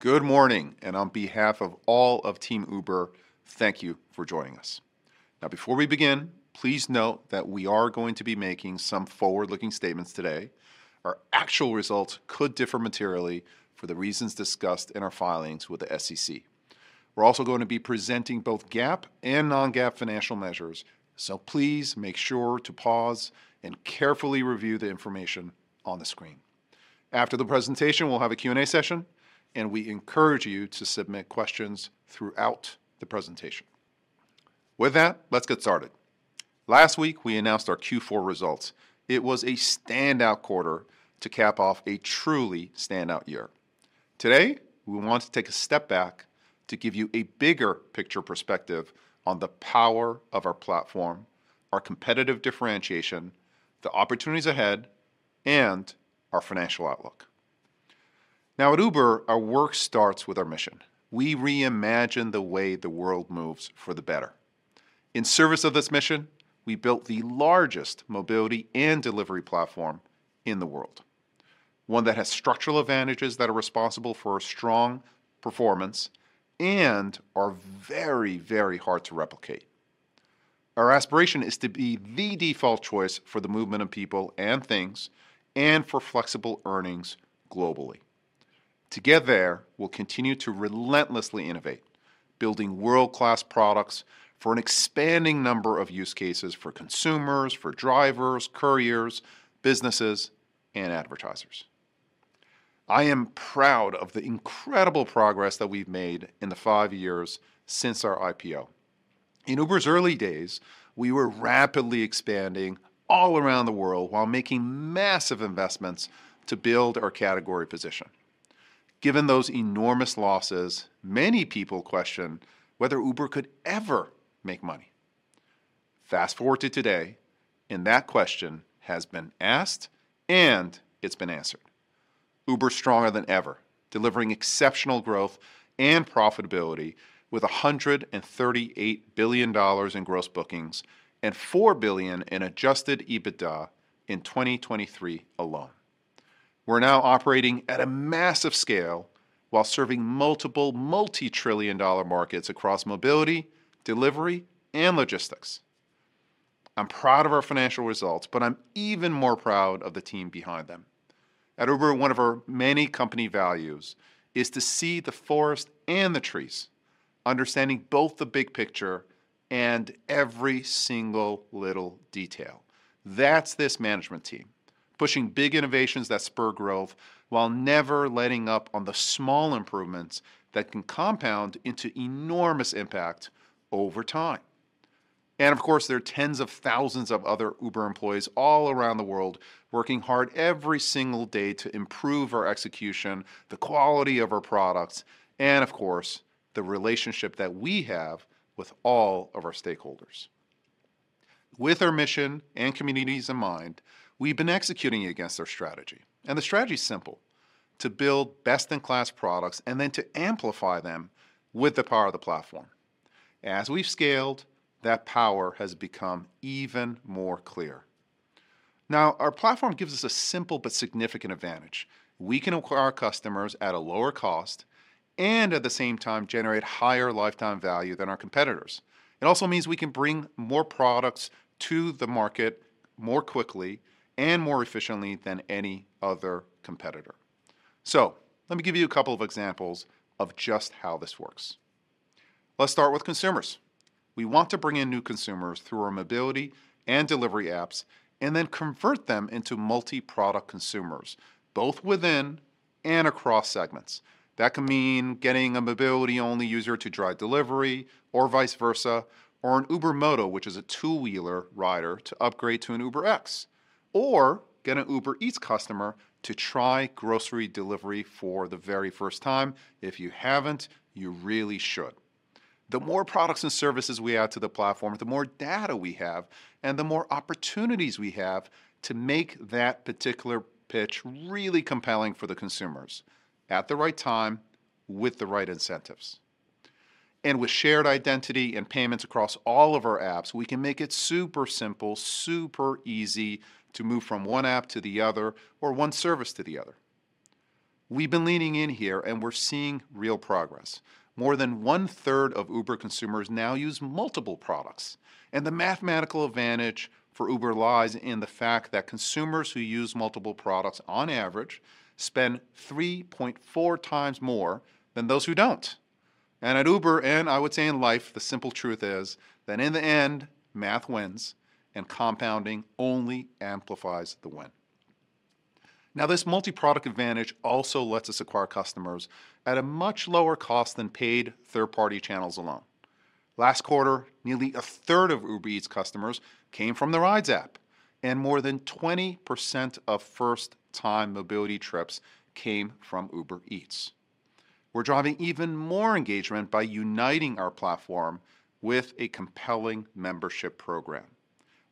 Good morning, and on behalf of all of Team Uber, thank you for joining us. Now, before we begin, please note that we are going to be making some forward-looking statements today. Our actual results could differ materially for the reasons discussed in our filings with the SEC. We're also going to be presenting both GAAP and non-GAAP financial measures, so please make sure to pause and carefully review the information on the screen. After the presentation, we'll have a Q&A session, and we encourage you to submit questions throughout the presentation. With that, let's get started. Last week, we announced our Q4 results. It was a standout quarter to cap off a truly standout year. Today, we want to take a step back to give you a bigger picture perspective on the power of our platform, our competitive differentiation, the opportunities ahead, and our financial outlook. Now, at Uber, our work starts with our mission. We reimagine the way the world moves for the better. In service of this mission, we built the largest Mobility and Delivery platform in the world, one that has structural advantages that are responsible for our strong performance and are very, very hard to replicate. Our aspiration is to be the default choice for the movement of people and things, and for flexible earnings globally. To get there, we'll continue to relentlessly innovate, building world-class products for an expanding number of use cases for consumers, for drivers, couriers, businesses, and advertisers. I am proud of the incredible progress that we've made in the five years since our IPO. In Uber's early days, we were rapidly expanding all around the world while making massive investments to build our category position. Given those enormous losses, many people questioned whether Uber could ever make money. Fast-forward to today, and that question has been asked, and it's been answered. Uber is stronger than ever, delivering exceptional growth and profitability with $138 billion in gross bookings and $4 billion in adjusted EBITDA in 2023 alone. We're now operating at a massive scale while serving multiple multi-trillion dollar markets across Mobility, Delivery, and Logistics. I'm proud of our financial results, but I'm even more proud of the team behind them. At Uber, one of our many company values is to see the forest and the trees, understanding both the big picture and every single little detail. That's this management team, pushing big innovations that spur growth while never letting up on the small improvements that can compound into enormous impact over time. Of course, there are tens of thousands of other Uber employees all around the world working hard every single day to improve our execution, the quality of our products, and of course, the relationship that we have with all of our stakeholders. With our mission and communities in mind, we've been executing against our strategy, and the strategy is simple: to build best-in-class products, and then to amplify them with the power of the platform. As we've scaled, that power has become even more clear. Now, our platform gives us a simple but significant advantage. We can acquire our customers at a lower cost and, at the same time, generate higher lifetime value than our competitors. It also means we can bring more products to the market more quickly and more efficiently than any other competitor. So let me give you a couple of examples of just how this works. Let's start with consumers. We want to bring in new consumers through our Mobility and Delivery apps, and then convert them into multi-product consumers, both within and across segments. That can mean getting a Mobility-only user to try Delivery or vice versa, or an Uber Moto, which is a two-wheeler rider, to upgrade to an UberX, or get an Uber Eats customer to try grocery delivery for the very first time. If you haven't, you really should. The more products and services we add to the platform, the more data we have, and the more opportunities we have to make that particular pitch really compelling for the consumers, at the right time, with the right incentives. And with shared identity and payments across all of our apps, we can make it super simple, super easy to move from one app to the other or one service to the other. We've been leaning in here, and we're seeing real progress. More than one-third of Uber consumers now use multiple products, and the mathematical advantage for Uber lies in the fact that consumers who use multiple products, on average, spend 3.4 times more than those who don't. And at Uber, and I would say in life, the simple truth is that in the end, math wins, and compounding only amplifies the win. Now, this multi-product advantage also lets us acquire customers at a much lower cost than paid third-party channels alone. Last quarter, nearly a third of Uber Eats customers came from the rides app, and more than 20% of first-time Mobility trips came from Uber Eats. We're driving even more engagement by uniting our platform with a compelling membership program.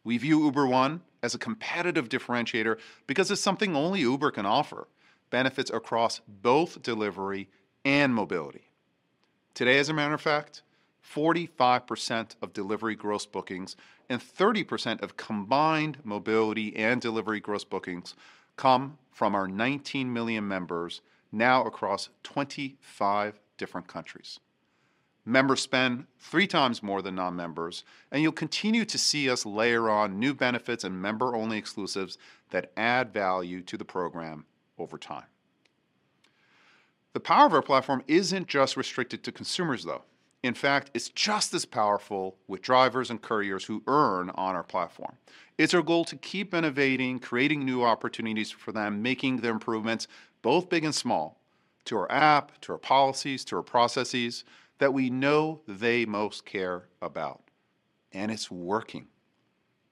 We view Uber One as a competitive differentiator because it's something only Uber can offer, benefits across both Delivery and Mobility.... Today, as a matter of fact, 45% of Delivery gross bookings and 30% of combined Mobility and Delivery gross bookings come from our 19 million members now across 25 different countries. Members spend 3 times more than non-members, and you'll continue to see us layer on new benefits and member-only exclusives that add value to the program over time. The power of our platform isn't just restricted to consumers, though. In fact, it's just as powerful with drivers and couriers who earn on our platform. It's our goal to keep innovating, creating new opportunities for them, making the improvements, both big and small, to our app, to our policies, to our processes, that we know they most care about, and it's working.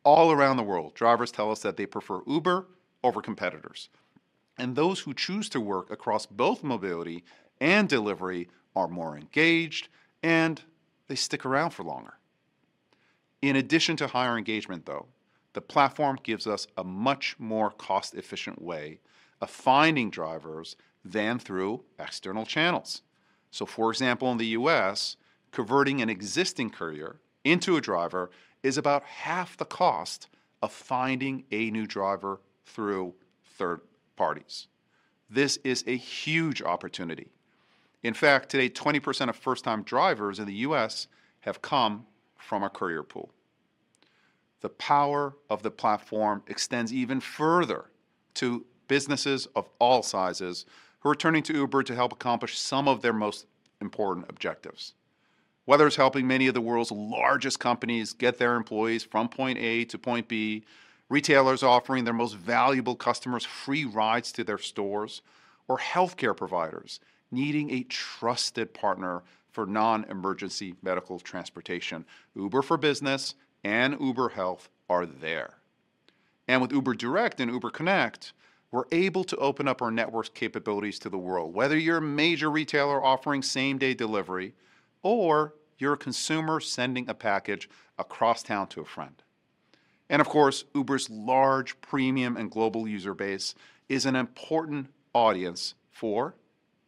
All around the world, drivers tell us that they prefer Uber over competitors, and those who choose to work across both Mobility and Delivery are more engaged, and they stick around for longer. In addition to higher engagement, though, the platform gives us a much more cost-efficient way of finding drivers than through external channels. So, for example, in the U.S., converting an existing courier into a driver is about half the cost of finding a new driver through third parties. This is a huge opportunity. In fact, today, 20% of first-time drivers in the U.S. have come from our courier pool. The power of the platform extends even further to businesses of all sizes who are turning to Uber to help accomplish some of their most important objectives. Whether it's helping many of the world's largest companies get their employees from point A to point B, retailers offering their most valuable customers free rides to their stores, or healthcare providers needing a trusted partner for non-emergency medical transportation, Uber for Business and Uber Health are there. With Uber Direct and Uber Connect, we're able to open up our network's capabilities to the world, whether you're a major retailer offering same-day Delivery or you're a consumer sending a package across town to a friend. Of course, Uber's large, premium, and global user base is an important audience for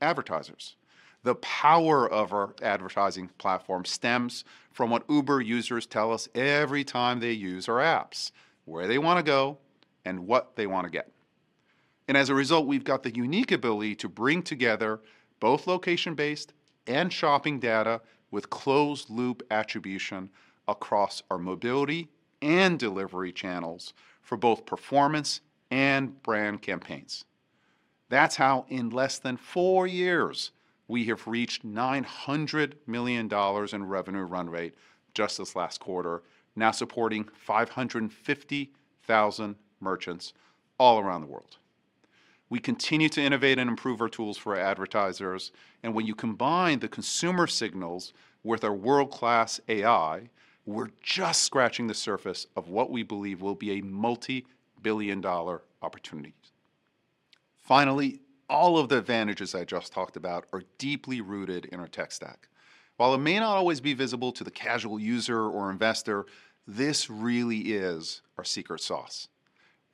advertisers. The power of our Advertising platform stems from what Uber users tell us every time they use our apps, where they wanna go and what they wanna get. And as a result, we've got the unique ability to bring together both location-based and shopping data with closed-loop attribution across our Mobility and Delivery channels for both performance and brand campaigns. That's how, in less than four years, we have reached $900 million in revenue run rate just this last quarter, now supporting 550,000 merchants all around the world. We continue to innovate and improve our tools for advertisers, and when you combine the consumer signals with our world-class AI, we're just scratching the surface of what we believe will be a multi-billion dollar opportunity. Finally, all of the advantages I just talked about are deeply rooted in our tech stack. While it may not always be visible to the casual user or investor, this really is our secret sauce.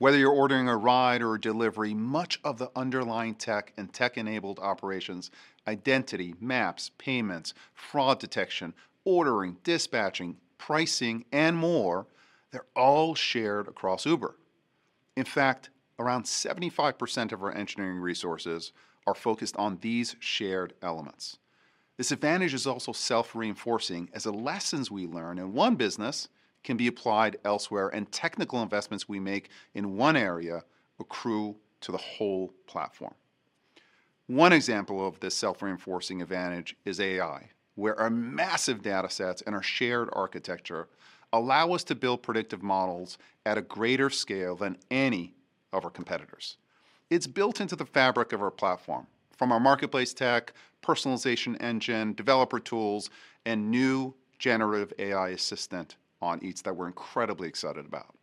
Whether you're ordering a ride or a Delivery, much of the underlying tech and tech-enabled operations, identity, maps, payments, fraud detection, ordering, dispatching, pricing, and more, they're all shared across Uber. In fact, around 75% of our engineering resources are focused on these shared elements. This advantage is also self-reinforcing, as the lessons we learn in one business can be applied elsewhere, and technical investments we make in one area accrue to the whole platform. One example of this self-reinforcing advantage is AI, where our massive data sets and our shared architecture allow us to build predictive models at a greater scale than any of our competitors. It's built into the fabric of our platform, from our marketplace tech, personalization engine, developer tools, and new generative AI assistant on Eats that we're incredibly excited about.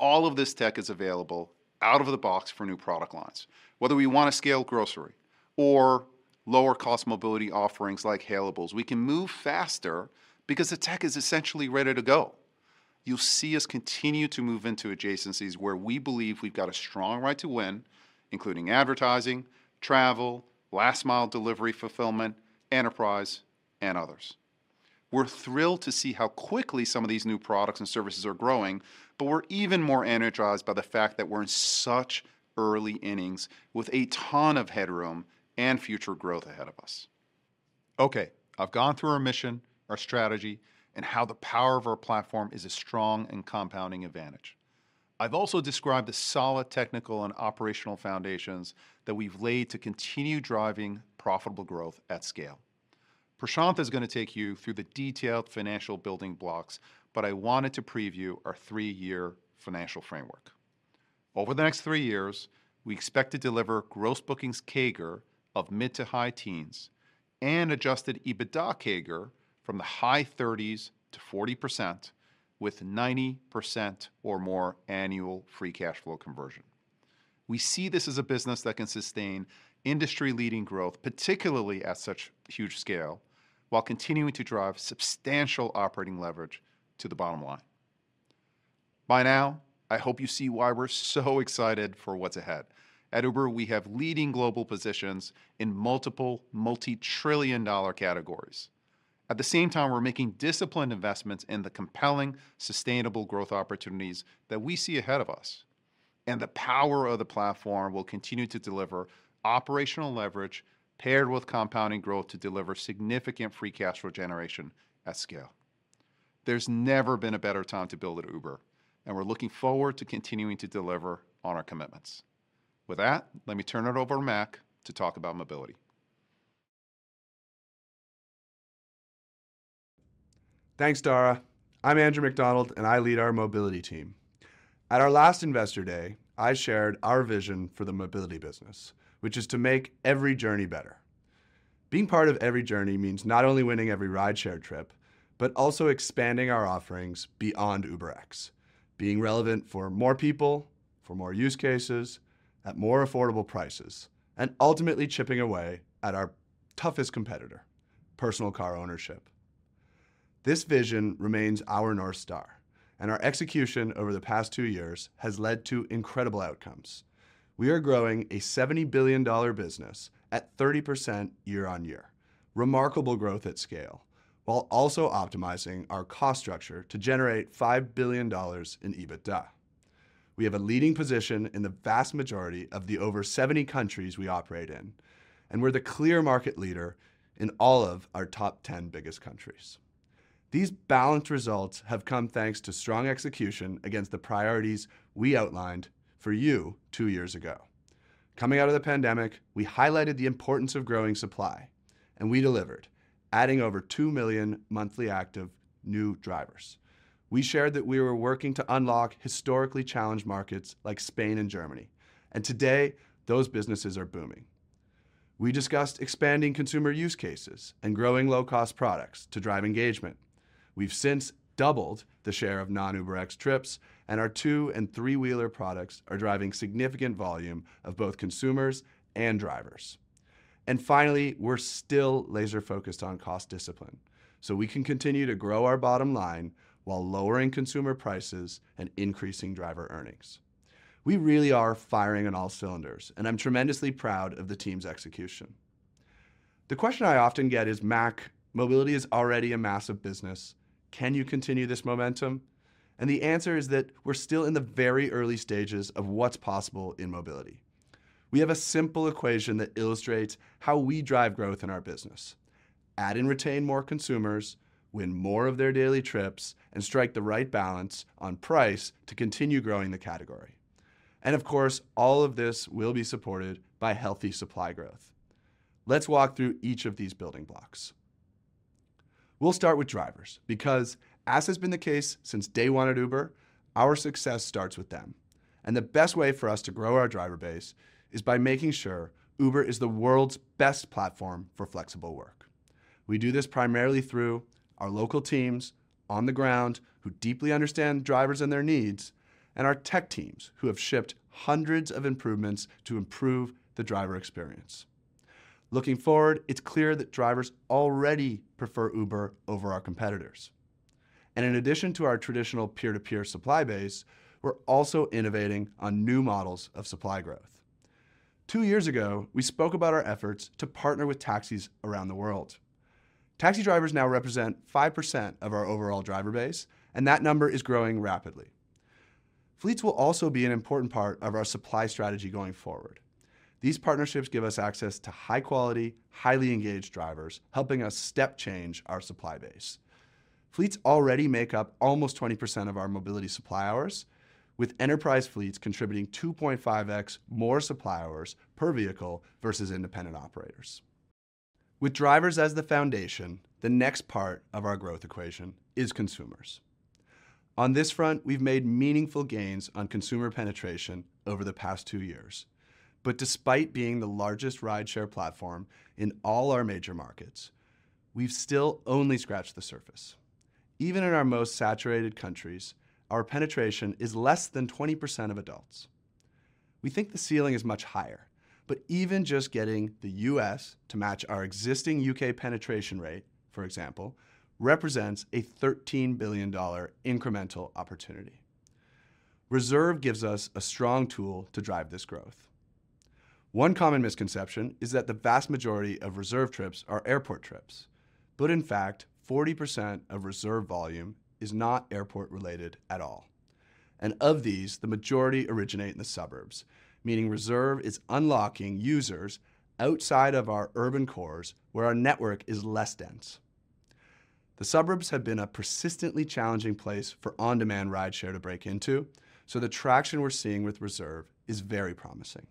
All of this tech is available out of the box for new product lines. Whether we wanna scale grocery or lower-cost Mobility offerings like hailables, we can move faster because the tech is essentially ready to go. You'll see us continue to move into adjacencies where we believe we've got a strong right to win, including Advertising, Travel, last-mile delivery, Fulfillment, enterprise, and others. We're thrilled to see how quickly some of these new products and services are growing, but we're even more energized by the fact that we're in such early innings with a ton of headroom and future growth ahead of us. Okay, I've gone through our mission, our strategy, and how the power of our platform is a strong and compounding advantage. I've also described the solid technical and operational foundations that we've laid to continue driving profitable growth at scale. Prashanth is gonna take you through the detailed financial building blocks, but I wanted to preview our 3-year financial framework. Over the next 3 years, we expect to deliver gross bookings CAGR of mid- to high-teens and adjusted EBITDA CAGR from the high 30s to 40%, with 90% or more annual free cash flow conversion. We see this as a business that can sustain industry-leading growth, particularly at such huge scale, while continuing to drive substantial operating leverage to the bottom line. By now, I hope you see why we're so excited for what's ahead. At Uber, we have leading global positions in multiple multi-trillion-dollar categories. At the same time, we're making disciplined investments in the compelling, sustainable growth opportunities that we see ahead of us, and the power of the platform will continue to deliver operational leverage, paired with compounding growth, to deliver significant free cash flow generation at scale. There's never been a better time to build at Uber, and we're looking forward to continuing to deliver on our commitments. With that, let me turn it over to Mac to talk about Mobility. Thanks, Dara. I'm Andrew Macdonald, and I lead our Mobility team. At our last Investor Day, I shared our vision for the Mobility business, which is to make every journey better. Being part of every journey means not only winning every rideshare trip, but also expanding our offerings beyond UberX, being relevant for more people, for more use cases, at more affordable prices, and ultimately chipping away at our toughest competitor, personal car ownership. This vision remains our North Star, and our execution over the past two years has led to incredible outcomes. We are growing a $70 billion business at 30% year-on-year, remarkable growth at scale, while also optimizing our cost structure to generate $5 billion in EBITDA. We have a leading position in the vast majority of the over 70 countries we operate in, and we're the clear market leader in all of our top 10 biggest countries. These balanced results have come thanks to strong execution against the priorities we outlined for you two years ago. Coming out of the pandemic, we highlighted the importance of growing supply, and we delivered, adding over 2 million monthly active new drivers. We shared that we were working to unlock historically challenged markets like Spain and Germany, and today, those businesses are booming. We discussed expanding consumer use cases and growing low-cost products to drive engagement. We've since doubled the share of non-UberX trips, and our two- and three-wheeler products are driving significant volume of both consumers and drivers. Finally, we're still laser-focused on cost discipline, so we can continue to grow our bottom line while lowering consumer prices and increasing driver earnings. We really are firing on all cylinders, and I'm tremendously proud of the team's execution. The question I often get is, "Mac, Mobility is already a massive business. Can you continue this momentum?" The answer is that we're still in the very early stages of what's possible in Mobility. We have a simple equation that illustrates how we drive growth in our business: add and retain more consumers, win more of their daily trips, and strike the right balance on price to continue growing the category. Of course, all of this will be supported by healthy supply growth. Let's walk through each of these building blocks. We'll start with drivers, because as has been the case since day one at Uber, our success starts with them, and the best way for us to grow our driver base is by making sure Uber is the world's best platform for flexible work. We do this primarily through our local teams on the ground, who deeply understand drivers and their needs, and our tech teams, who have shipped hundreds of improvements to improve the driver experience. Looking forward, it's clear that drivers already prefer Uber over our competitors, and in addition to our traditional peer-to-peer supply base, we're also innovating on new models of supply growth. Two years ago, we spoke about our efforts to partner with taxis around the world. Taxi drivers now represent 5% of our overall driver base, and that number is growing rapidly. Fleets will also be an important part of our supply strategy going forward. These partnerships give us access to high-quality, highly engaged drivers, helping us step change our supply base. Fleets already make up almost 20% of our Mobility supply hours, with enterprise fleets contributing 2.5x more supply hours per vehicle versus independent operators. With drivers as the foundation, the next part of our growth equation is consumers. On this front, we've made meaningful gains on consumer penetration over the past two years. But despite being the largest rideshare platform in all our major markets, we've still only scratched the surface. Even in our most saturated countries, our penetration is less than 20% of adults. We think the ceiling is much higher, but even just getting the U.S. to match our existing U.K. penetration rate, for example, represents a $13 billion incremental opportunity. Reserve gives us a strong tool to drive this growth. One common misconception is that the vast majority of Reserve trips are airport trips, but in fact, 40% of Reserve volume is not airport-related at all, and of these, the majority originate in the suburbs, meaning Reserve is unlocking users outside of our urban cores, where our network is less dense. The suburbs have been a persistently challenging place for on-demand rideshare to break into, so the traction we're seeing with Reserve is very promising.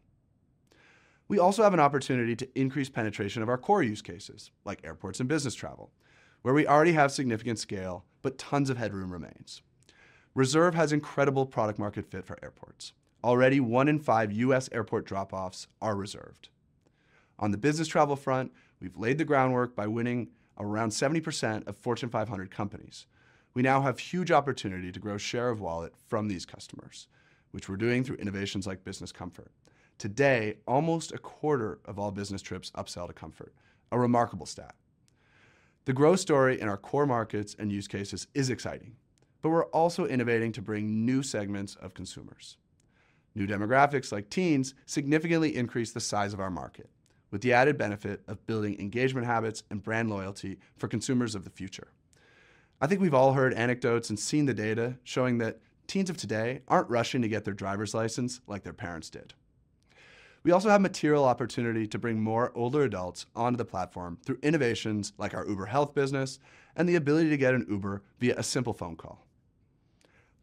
We also have an opportunity to increase penetration of our core use cases, like airports and Business Travel, where we already have significant scale, but tons of headroom remains. Reserve has incredible product market fit for airports. Already, one in five U.S. airport drop-offs are reserved. On the Business Travel front, we've laid the groundwork by winning around 70% of Fortune 500 companies. We now have huge opportunity to grow share of wallet from these customers, which we're doing through innovations like Business Comfort. Today, almost a quarter of all business trips upsell to Comfort, a remarkable stat. The growth story in our core markets and use cases is exciting, but we're also innovating to bring new segments of consumers. New demographics, like teens, significantly increase the size of our market, with the added benefit of building engagement habits and brand loyalty for consumers of the future. I think we've all heard anecdotes and seen the data showing that teens of today aren't rushing to get their driver's license like their parents did. We also have material opportunity to bring more older adults onto the platform through innovations like our Uber Health business and the ability to get an Uber via a simple phone call.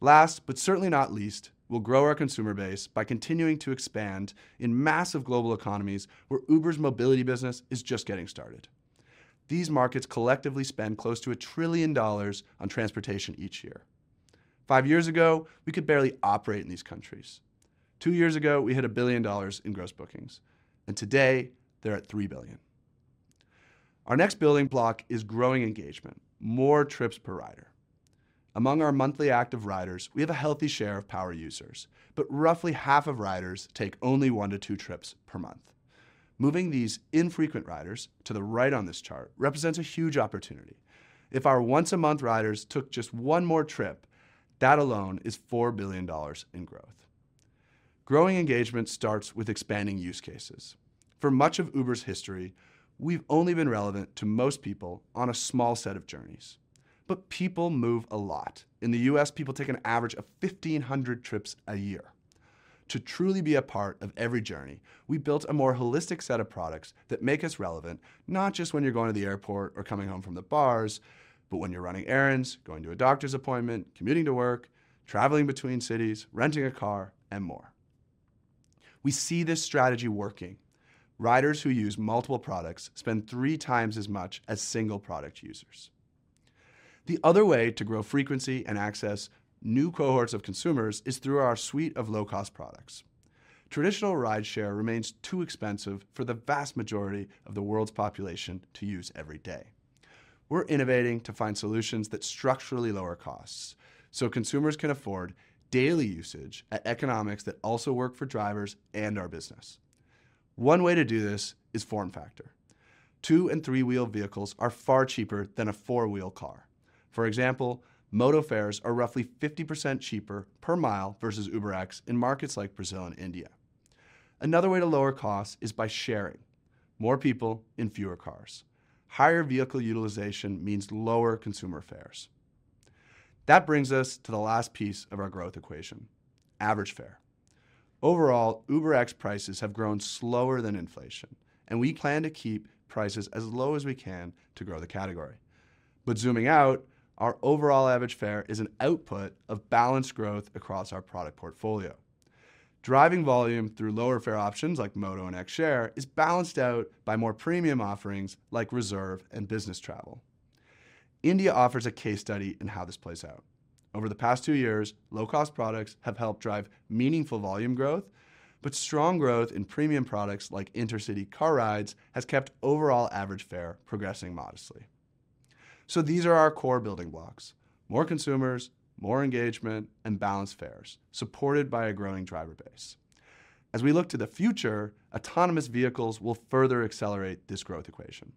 Last, but certainly not least, we'll grow our consumer base by continuing to expand in massive global economies where Uber's Mobility business is just getting started. These markets collectively spend close to $1 trillion on transportation each year. Five years ago, we could barely operate in these countries. Two years ago, we hit $1 billion in gross bookings, and today they're at $3 billion. Our next building block is growing engagement, more trips per rider. Among our monthly active riders, we have a healthy share of power users, but roughly half of riders take only one to two trips per month. Moving these infrequent riders to the right on this chart represents a huge opportunity. If our once-a-month riders took just one more trip, that alone is $4 billion in growth. Growing engagement starts with expanding use cases. For much of Uber's history, we've only been relevant to most people on a small set of journeys, but people move a lot. In the U.S., people take an average of 1,500 trips a year. To truly be a part of every journey, we built a more holistic set of products that make us relevant, not just when you're going to the airport or coming home from the bars, but when you're running errands, going to a doctor's appointment, commuting to work, traveling between cities, renting a car, and more. We see this strategy working. Riders who use multiple products spend three times as much as single-product users. The other way to grow frequency and access new cohorts of consumers is through our suite of low-cost products. Traditional rideshare remains too expensive for the vast majority of the world's population to use every day. We're innovating to find solutions that structurally lower costs, so consumers can afford daily usage at economics that also work for drivers and our business. One way to do this is form factor. Two- and three-wheeled vehicles are far cheaper than a four-wheel car. For example, Moto fares are roughly 50% cheaper per mile versus UberX in markets like Brazil and India. Another way to lower costs is by sharing: more people in fewer cars. Higher vehicle utilization means lower consumer fares. That brings us to the last piece of our growth equation, average fare. Overall, UberX prices have grown slower than inflation, and we plan to keep prices as low as we can to grow the category. But zooming out, our overall average fare is an output of balanced growth across our product portfolio. Driving volume through lower fare options like Moto and X Share is balanced out by more premium offerings like Reserve and Business Travel. India offers a case study in how this plays out. Over the past two years, low-cost products have helped drive meaningful volume growth, but strong growth in premium products like intercity car rides has kept overall average fare progressing modestly. So these are our core building blocks: more consumers, more engagement, and balanced fares, supported by a growing driver base. As we look to the future, autonomous vehicles will further accelerate this growth equation.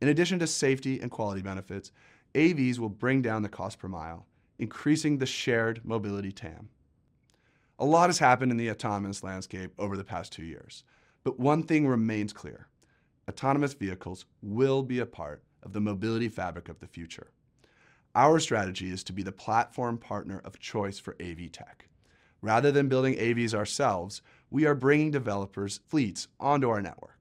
In addition to safety and quality benefits, AVs will bring down the cost per mile, increasing the shared Mobility TAM. A lot has happened in the autonomous landscape over the past two years, but one thing remains clear: autonomous vehicles will be a part of the Mobility fabric of the future. Our strategy is to be the platform partner of choice for AV tech. Rather than building AVs ourselves, we are bringing developers' fleets onto our network.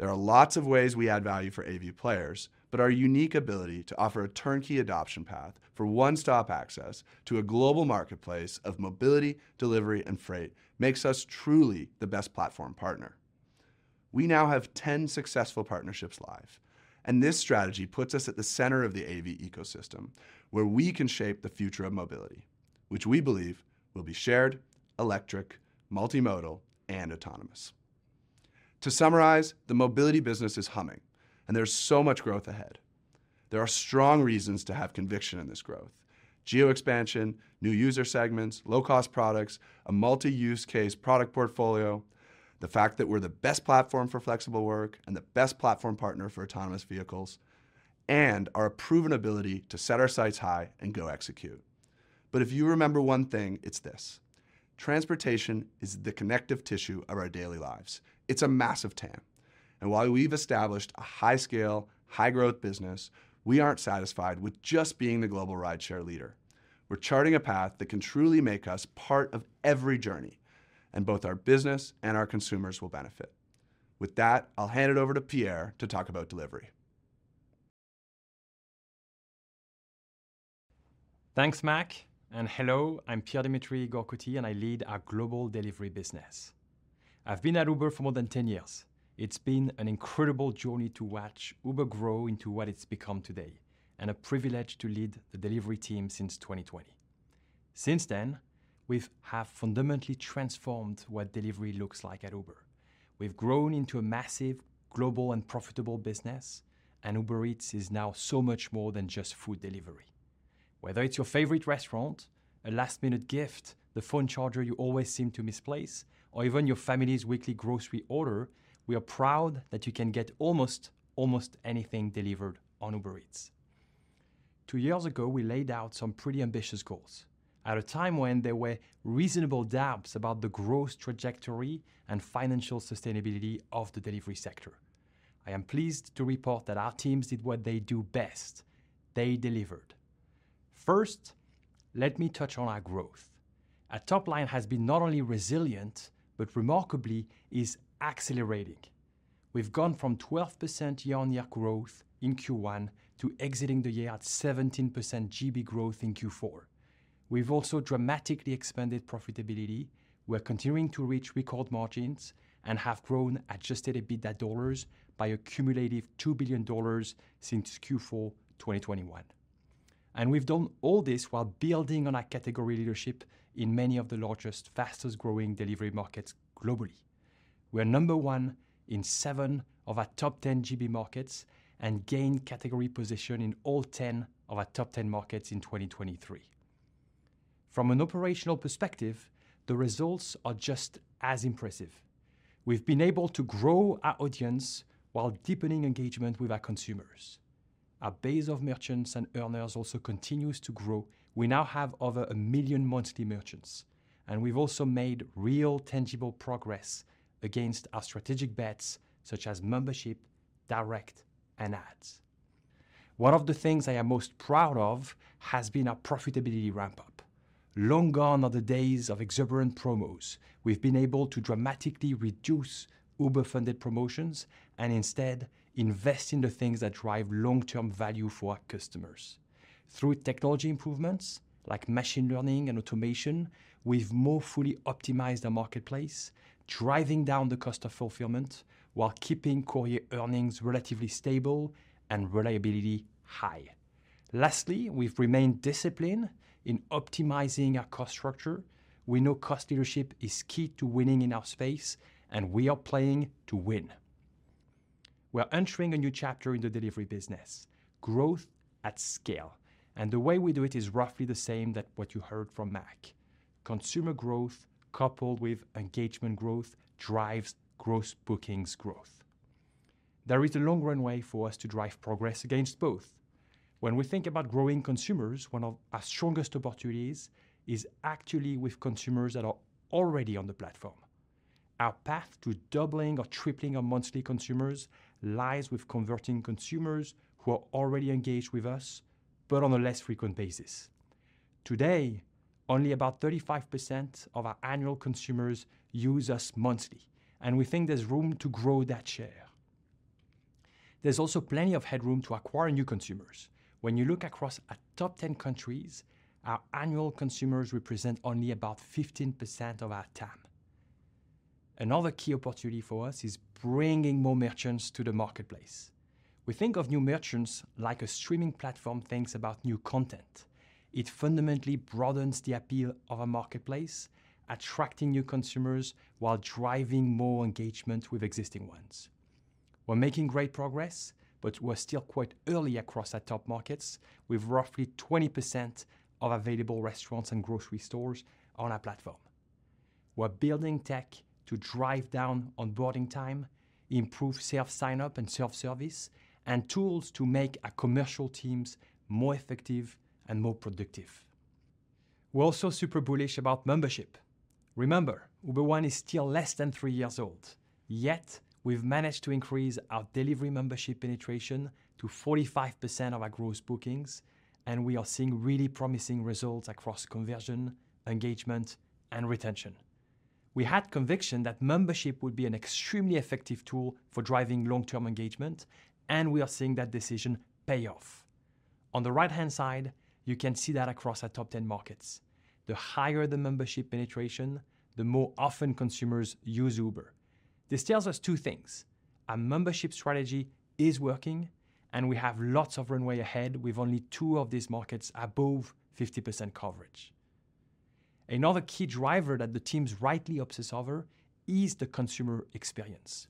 There are lots of ways we add value for AV players, but our unique ability to offer a turnkey adoption path for one-stop access to a global marketplace of Mobility, Delivery, and Freight makes us truly the best platform partner. We now have 10 successful partnerships live, and this strategy puts us at the center of the AV ecosystem, where we can shape the future of Mobility, which we believe will be shared, electric, multimodal, and autonomous. To summarize, the Mobility business is humming, and there's so much growth ahead. There are strong reasons to have conviction in this growth: geo expansion, new user segments, low-cost products, a multi-use case product portfolio, the fact that we're the best platform for flexible work and the best platform partner for autonomous vehicles, and our proven ability to set our sights high and go execute. But if you remember one thing, it's this: transportation is the connective tissue of our daily lives. It's a massive TAM, and while we've established a high-scale, high-growth business, we aren't satisfied with just being the global rideshare leader. We're charting a path that can truly make us part of every journey, and both our business and our consumers will benefit. With that, I'll hand it over to Pierre to talk about Delivery. Thanks, Mac, and hello, I'm Pierre-Dimitri Gore-Coty, and I lead our global Delivery business. I've been at Uber for more than 10 years. It's been an incredible journey to watch Uber grow into what it's become today, and a privilege to lead the Delivery team since 2020. Since then, we've fundamentally transformed what Delivery looks like at Uber. We've grown into a massive, global, and profitable business, and Uber Eats is now so much more than just food delivery.... Whether it's your favorite restaurant, a last-minute gift, the phone charger you always seem to misplace, or even your family's weekly grocery order, we are proud that you can get almost, almost anything delivered on Uber Eats. Two years ago, we laid out some pretty ambitious goals at a time when there were reasonable doubts about the growth trajectory and financial sustainability of the Delivery sector. I am pleased to report that our teams did what they do best: they delivered. First, let me touch on our growth. Our top line has been not only resilient, but remarkably is accelerating. We've gone from 12% year-on-year growth in Q1 to exiting the year at 17% GB growth in Q4. We've also dramatically expanded profitability. We're continuing to reach record margins and have grown adjusted EBITDA dollars by a cumulative $2 billion since Q4 2021. We've done all this while building on our category leadership in many of the largest, fastest-growing Delivery markets globally. We are number one in seven of our top 10 GB markets and gained category position in all 10 of our top 10 markets in 2023. From an operational perspective, the results are just as impressive. We've been able to grow our audience while deepening engagement with our consumers. Our base of merchants and earners also continues to grow. We now have over 1 million monthly merchants, and we've also made real, tangible progress against our strategic bets, such as membership, direct, and ads. One of the things I am most proud of has been our profitability ramp-up. Long gone are the days of exuberant promos. We've been able to dramatically reduce Uber-funded promotions and instead invest in the things that drive long-term value for our customers. Through technology improvements like machine learning and automation, we've more fully optimized our marketplace, driving down the cost of Fulfillment while keeping courier earnings relatively stable and reliability high. Lastly, we've remained disciplined in optimizing our cost structure. We know cost leadership is key to winning in our space, and we are playing to win. We're entering a new chapter in the Delivery business, growth at scale, and the way we do it is roughly the same as what you heard from Mac. Consumer growth, coupled with engagement growth, drives gross bookings growth. There is a long runway for us to drive progress against both. When we think about growing consumers, one of our strongest opportunities is actually with consumers that are already on the platform. Our path to doubling or tripling our monthly consumers lies with converting consumers who are already engaged with us, but on a less frequent basis. Today, only about 35% of our annual consumers use us monthly, and we think there's room to grow that share. There's also plenty of headroom to acquire new consumers. When you look across our top 10 countries, our annual consumers represent only about 15% of our TAM. Another key opportunity for us is bringing more merchants to the marketplace. We think of new merchants like a streaming platform thinks about new content. It fundamentally broadens the appeal of a marketplace, attracting new consumers while driving more engagement with existing ones. We're making great progress, but we're still quite early across our top markets, with roughly 20% of available restaurants and grocery stores on our platform. We're building tech to drive down onboarding time, improve self-signup and self-service, and tools to make our commercial teams more effective and more productive. We're also super bullish about membership. Remember, Uber One is still less than three years old, yet we've managed to increase our Delivery membership penetration to 45% of our gross bookings, and we are seeing really promising results across conversion, engagement, and retention. We had conviction that membership would be an extremely effective tool for driving long-term engagement, and we are seeing that decision pay off. On the right-hand side, you can see that across our top 10 markets, the higher the membership penetration, the more often consumers use Uber. This tells us two things: our membership strategy is working, and we have lots of runway ahead with only two of these markets above 50% coverage. Another key driver that the teams rightly obsess over is the consumer experience.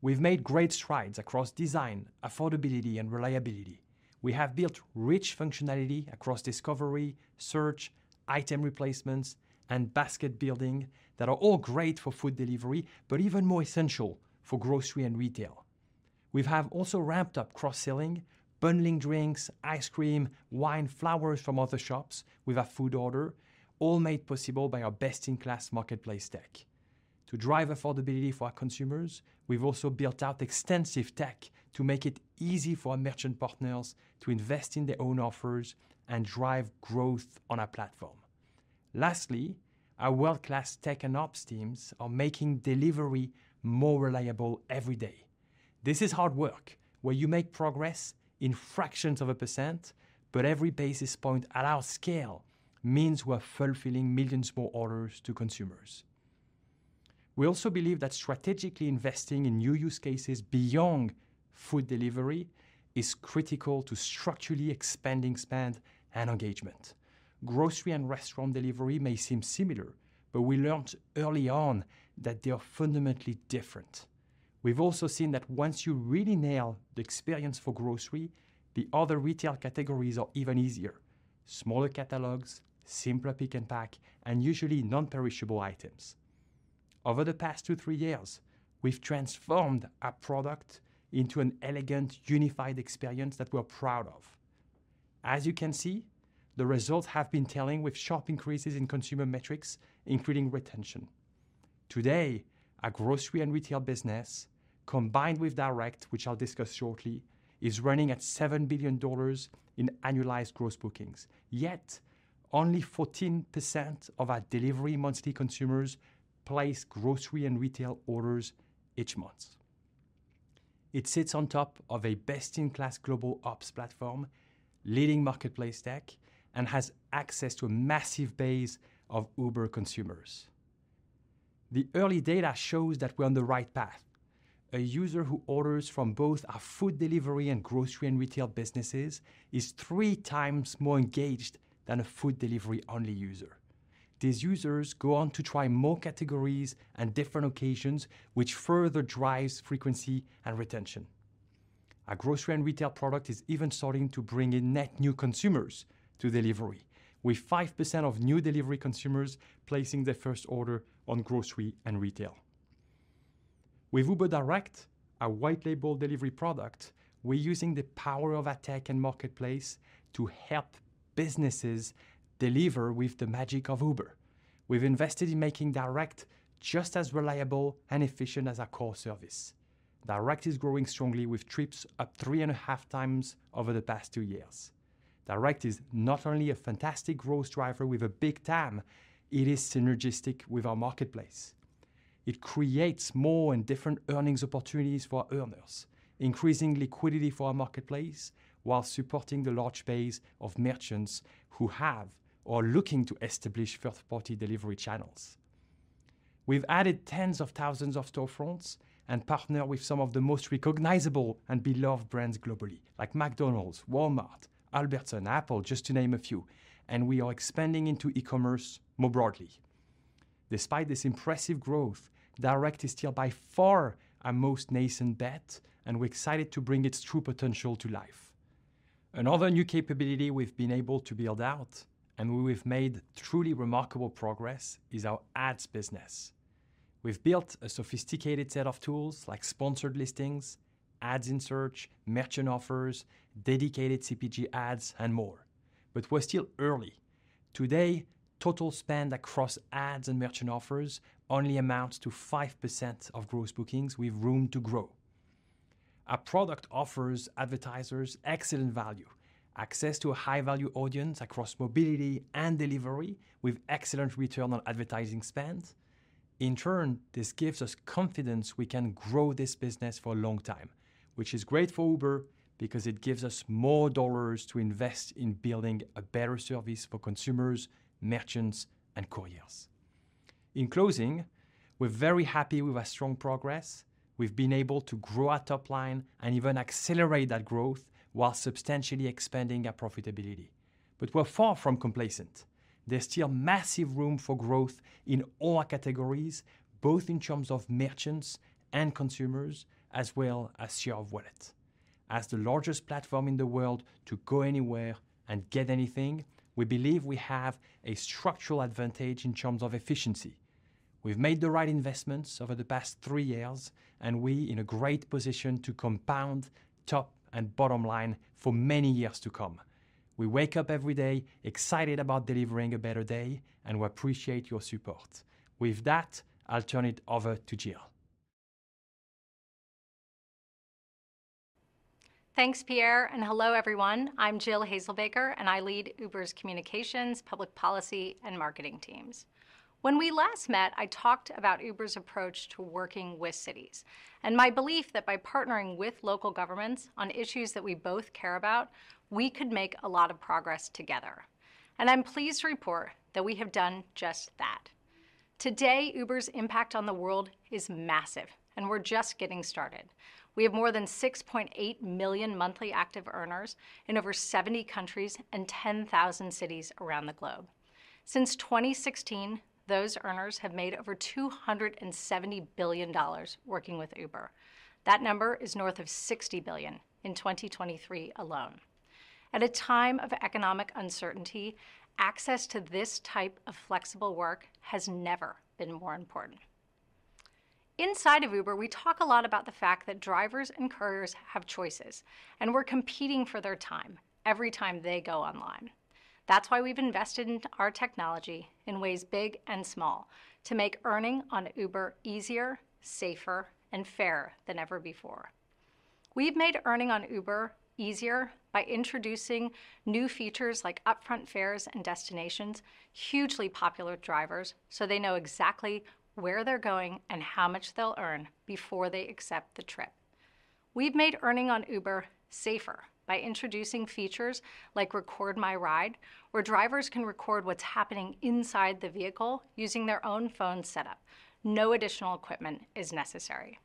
We've made great strides across design, affordability, and reliability. We have built rich functionality across discovery, search, item replacements, and basket building that are all great for food delivery, but even more essential for grocery and retail. We have also ramped up cross-selling, bundling drinks, ice cream, wine, flowers from other shops with our food order, all made possible by our best-in-class marketplace tech. To drive affordability for our consumers, we've also built out extensive tech to make it easy for our merchant partners to invest in their own offers and drive growth on our platform. Lastly, our world-class tech and ops teams are making Delivery more reliable every day. This is hard work, where you make progress in fractions of a percent, but every basis point at our scale means we're fulfilling millions more orders to consumers. We also believe that strategically investing in new use cases beyond food delivery is critical to structurally expanding spend and engagement.... grocery and restaurant Delivery may seem similar, but we learned early on that they are fundamentally different. We've also seen that once you really nail the experience for grocery, the other retail categories are even easier: smaller catalogs, simpler pick and pack, and usually non-perishable items. Over the past 2-3 years, we've transformed our product into an elegant, unified experience that we're proud of. As you can see, the results have been telling, with sharp increases in consumer metrics, including retention. Today, our grocery and retail business, combined with Direct, which I'll discuss shortly, is running at $7 billion in annualized gross bookings. Yet, only 14% of our Delivery monthly consumers place grocery and retail orders each month. It sits on top of a best-in-class global ops platform, leading marketplace tech, and has access to a massive base of Uber consumers. The early data shows that we're on the right path. A user who orders from both our food delivery and grocery and retail businesses is 3 times more engaged than a food delivery-only user. These users go on to try more categories and different occasions, which further drives frequency and retention. Our grocery and retail product is even starting to bring in net new consumers to Delivery, with 5% of new Delivery consumers placing their first order on grocery and retail. With Uber Direct, our white-label Delivery product, we're using the power of our tech and marketplace to help businesses deliver with the magic of Uber. We've invested in making Direct just as reliable and efficient as our core service. Direct is growing strongly, with trips up 3.5 times over the past 2 years. Direct is not only a fantastic growth driver with a big TAM, it is synergistic with our marketplace. It creates more and different earnings opportunities for our earners, increasing liquidity for our marketplace while supporting the large base of merchants who have or are looking to establish first-party Delivery channels. We've added tens of thousands of storefronts and partner with some of the most recognizable and beloved brands globally, like McDonald's, Walmart, Albertsons, and Apple, just to name a few, and we are expanding into e-commerce more broadly. Despite this impressive growth, Direct is still by far our most nascent bet, and we're excited to bring its true potential to life. Another new capability we've been able to build out, and we've made truly remarkable progress, is our ads business. We've built a sophisticated set of tools like Sponsored Listings, ads in search, merchant offers, dedicated CPG ads, and more. But we're still early. Today, total spend across ads and merchant offers only amounts to 5% of gross bookings. We've room to grow. Our product offers advertisers excellent value, access to a high-value audience across Mobility and Delivery, with excellent return on Advertising spend. In turn, this gives us confidence we can grow this business for a long time, which is great for Uber because it gives us more dollars to invest in building a better service for consumers, merchants, and couriers. In closing, we're very happy with our strong progress. We've been able to grow our top line and even accelerate that growth while substantially expanding our profitability. But we're far from complacent. There's still massive room for growth in all our categories, both in terms of merchants and consumers, as well as share of wallet. As the largest platform in the world to go anywhere and get anything, we believe we have a structural advantage in terms of efficiency. We've made the right investments over the past three years, and we're in a great position to compound top and bottom line for many years to come. We wake up every day excited about delivering a better day, and we appreciate your support. With that, I'll turn it over to Jill. Thanks, Pierre, and hello, everyone. I'm Jill Hazelbaker, and I lead Uber's communications, public policy, and marketing teams. When we last met, I talked about Uber's approach to working with cities and my belief that by partnering with local governments on issues that we both care about, we could make a lot of progress together. I'm pleased to report that we have done just that. Today, Uber's impact on the world is massive, and we're just getting started. We have more than 6.8 million monthly active earners in over 70 countries and 10,000 cities around the globe. Since 2016, those earners have made over $270 billion working with Uber. That number is north of $60 billion in 2023 alone. At a time of economic uncertainty, access to this type of flexible work has never been more important. Inside of Uber, we talk a lot about the fact that drivers and couriers have choices, and we're competing for their time every time they go online. That's why we've invested in our technology in ways big and small, to make earning on Uber easier, safer, and fairer than ever before. We've made earning on Uber easier by introducing new features like upfront fares and destinations, hugely popular with drivers, so they know exactly where they're going and how much they'll earn before they accept the trip. We've made earning on Uber safer by introducing features like Record My Ride, where drivers can record what's happening inside the vehicle using their own phone setup. No additional equipment is necessary.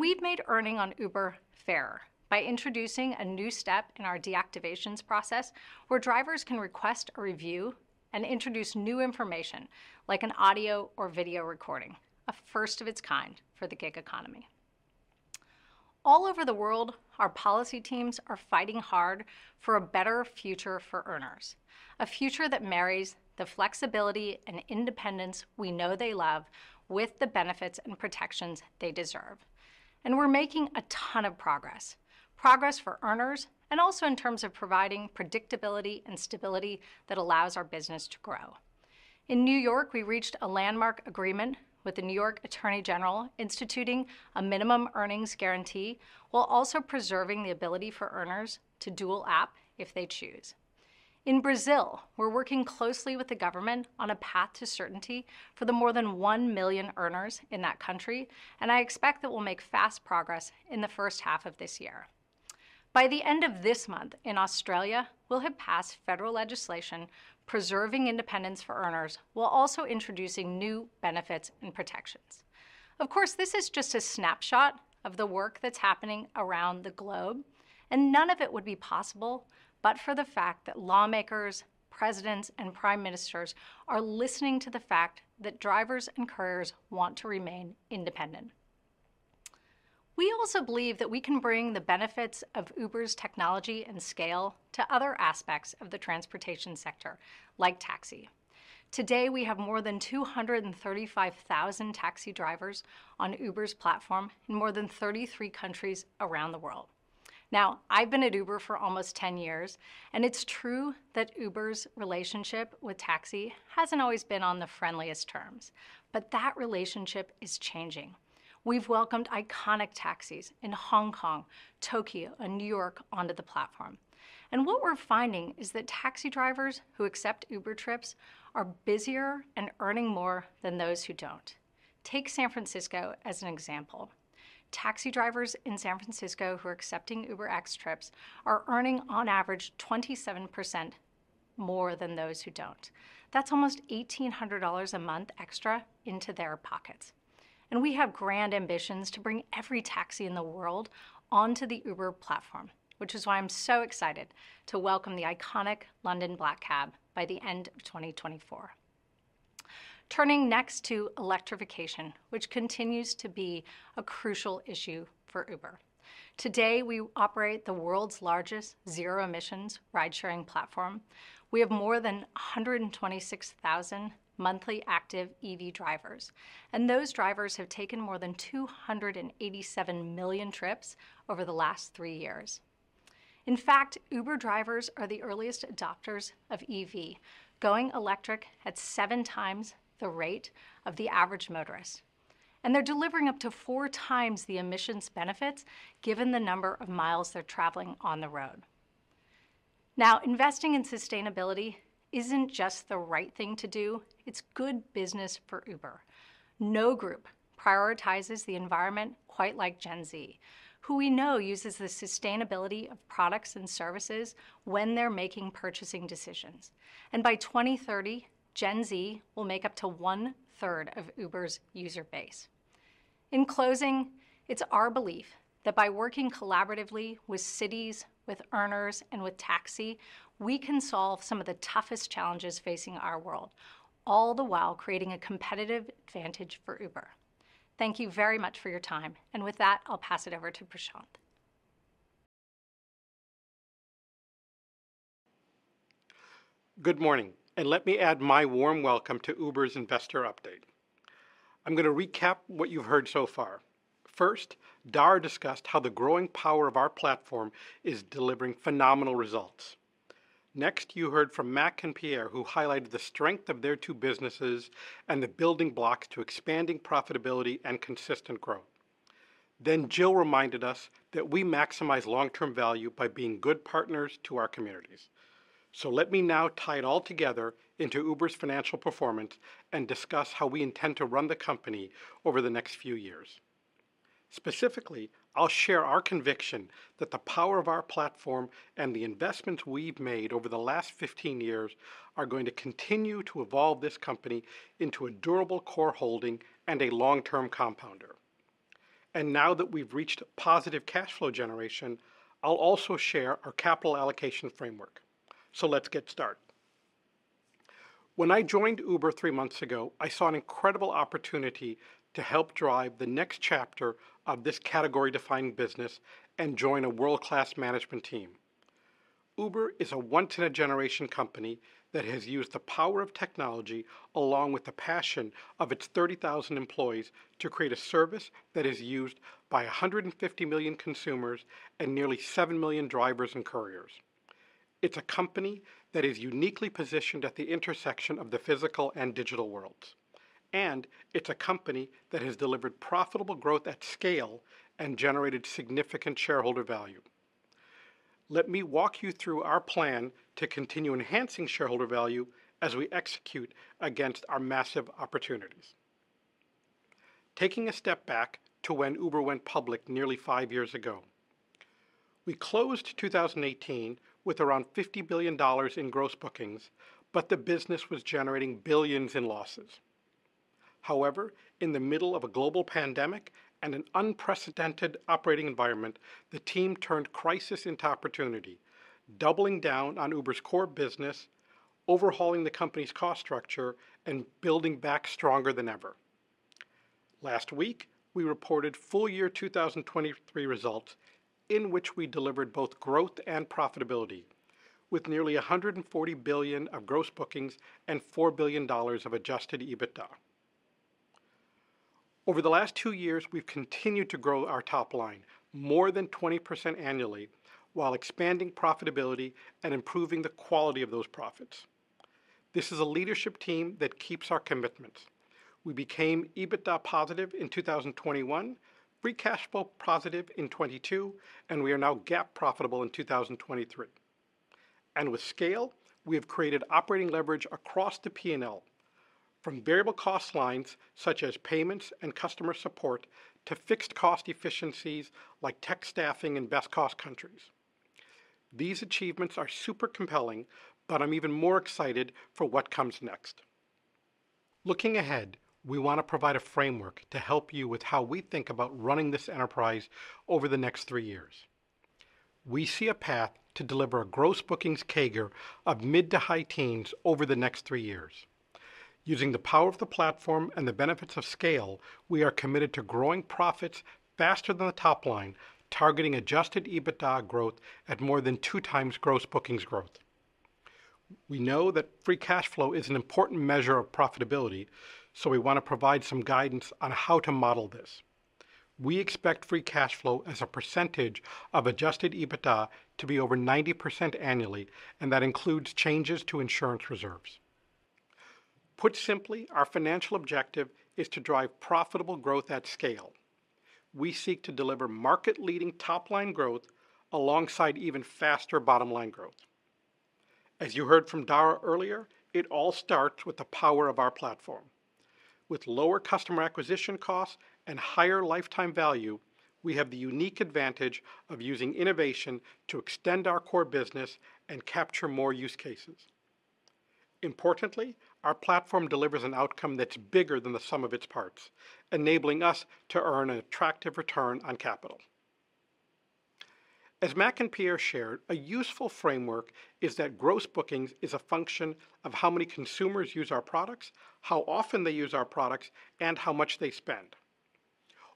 We've made earning on Uber fairer by introducing a new step in our deactivations process, where drivers can request a review and introduce new information, like an audio or video recording, a first of its kind for the gig economy. All over the world, our policy teams are fighting hard for a better future for earners, a future that marries the flexibility and independence we know they love with the benefits and protections they deserve. We're making a ton of progress, progress for earners, and also in terms of providing predictability and stability that allows our business to grow. In New York, we reached a landmark agreement with the New York Attorney General, instituting a minimum earnings guarantee, while also preserving the ability for earners to dual app if they choose. In Brazil, we're working closely with the government on a path to certainty for the more than 1 million earners in that country, and I expect that we'll make fast progress in the first half of this year. By the end of this month, in Australia, we'll have passed federal legislation preserving independence for earners, while also introducing new benefits and protections. Of course, this is just a snapshot of the work that's happening around the globe, and none of it would be possible, but for the fact that lawmakers, presidents, and prime ministers are listening to the fact that drivers and couriers want to remain independent. We also believe that we can bring the benefits of Uber's technology and scale to other aspects of the transportation sector, like taxi. Today, we have more than 235,000 taxi drivers on Uber's platform in more than 33 countries around the world. Now, I've been at Uber for almost 10 years, and it's true that Uber's relationship with taxi hasn't always been on the friendliest terms, but that relationship is changing. We've welcomed iconic taxis in Hong Kong, Tokyo, and New York onto the platform. And what we're finding is that taxi drivers who accept Uber trips are busier and earning more than those who don't. Take San Francisco as an example. Taxi drivers in San Francisco who are accepting UberX trips are earning, on average, 27% more than those who don't. That's almost $1,800 a month extra into their pockets. We have grand ambitions to bring every taxi in the world onto the Uber platform, which is why I'm so excited to welcome the iconic London black cab by the end of 2024. Turning next to electrification, which continues to be a crucial issue for Uber. Today, we operate the world's largest zero-emissions ride-sharing platform. We have more than 126,000 monthly active EV drivers, and those drivers have taken more than 287 million trips over the last 3 years. In fact, Uber drivers are the earliest adopters of EV, going electric at 7 times the rate of the average motorist, and they're delivering up to 4 times the emissions benefits, given the number of miles they're traveling on the road. Now, investing in sustainability isn't just the right thing to do, it's good business for Uber. No group prioritizes the environment quite like Gen Z, who we know uses the sustainability of products and services when they're making purchasing decisions. By 2030, Gen Z will make up to one-third of Uber's user base. In closing, it's our belief that by working collaboratively with cities, with earners, and with taxi, we can solve some of the toughest challenges facing our world, all the while creating a competitive advantage for Uber. Thank you very much for your time, and with that, I'll pass it over to Prashanth. Good morning, and let me add my warm welcome to Uber's investor update. I'm gonna recap what you've heard so far. First, Dara discussed how the growing power of our platform is delivering phenomenal results. Next, you heard from Mac and Pierre, who highlighted the strength of their two businesses and the building blocks to expanding profitability and consistent growth. Then Jill reminded us that we maximize long-term value by being good partners to our communities. So let me now tie it all together into Uber's financial performance and discuss how we intend to run the company over the next few years. Specifically, I'll share our conviction that the power of our platform and the investments we've made over the last 15 years are going to continue to evolve this company into a durable core holding and a long-term compounder. Now that we've reached positive cash flow generation, I'll also share our capital allocation framework. So let's get started. When I joined Uber three months ago, I saw an incredible opportunity to help drive the next chapter of this category-defining business and join a world-class management team. Uber is a once-in-a-generation company that has used the power of technology, along with the passion of its 30,000 employees, to create a service that is used by 150 million consumers and nearly 7 million drivers and couriers. It's a company that is uniquely positioned at the intersection of the physical and digital worlds, and it's a company that has delivered profitable growth at scale and generated significant shareholder value.... Let me walk you through our plan to continue enhancing shareholder value as we execute against our massive opportunities. Taking a step back to when Uber went public nearly five years ago, we closed 2018 with around $50 billion in gross bookings, but the business was generating billions in losses. However, in the middle of a global pandemic and an unprecedented operating environment, the team turned crisis into opportunity, doubling down on Uber's core business, overhauling the company's cost structure, and building back stronger than ever. Last week, we reported full year 2023 results, in which we delivered both growth and profitability, with nearly $140 billion of gross bookings and $4 billion of adjusted EBITDA. Over the last two years, we've continued to grow our top line more than 20% annually, while expanding profitability and improving the quality of those profits. This is a leadership team that keeps our commitments. We became EBITDA positive in 2021, free cash flow positive in 2022, and we are now GAAP profitable in 2023. And with scale, we have created operating leverage across the P&L, from variable cost lines, such as payments and customer support, to fixed cost efficiencies like tech staffing in best-cost countries. These achievements are super compelling, but I'm even more excited for what comes next. Looking ahead, we want to provide a framework to help you with how we think about running this enterprise over the next three years. We see a path to deliver a gross bookings CAGR of mid- to high-teens over the next three years. Using the power of the platform and the benefits of scale, we are committed to growing profits faster than the top line, targeting adjusted EBITDA growth at more than 2x gross bookings growth. We know that free cash flow is an important measure of profitability, so we want to provide some guidance on how to model this. We expect free cash flow as a percentage of adjusted EBITDA to be over 90% annually, and that includes changes to insurance reserves. Put simply, our financial objective is to drive profitable growth at scale. We seek to deliver market-leading top-line growth alongside even faster bottom-line growth. As you heard from Dara earlier, it all starts with the power of our platform. With lower customer acquisition costs and higher lifetime value, we have the unique advantage of using innovation to extend our core business and capture more use cases. Importantly, our platform delivers an outcome that's bigger than the sum of its parts, enabling us to earn an attractive return on capital. As Mac and Pierre shared, a useful framework is that gross bookings is a function of how many consumers use our products, how often they use our products, and how much they spend.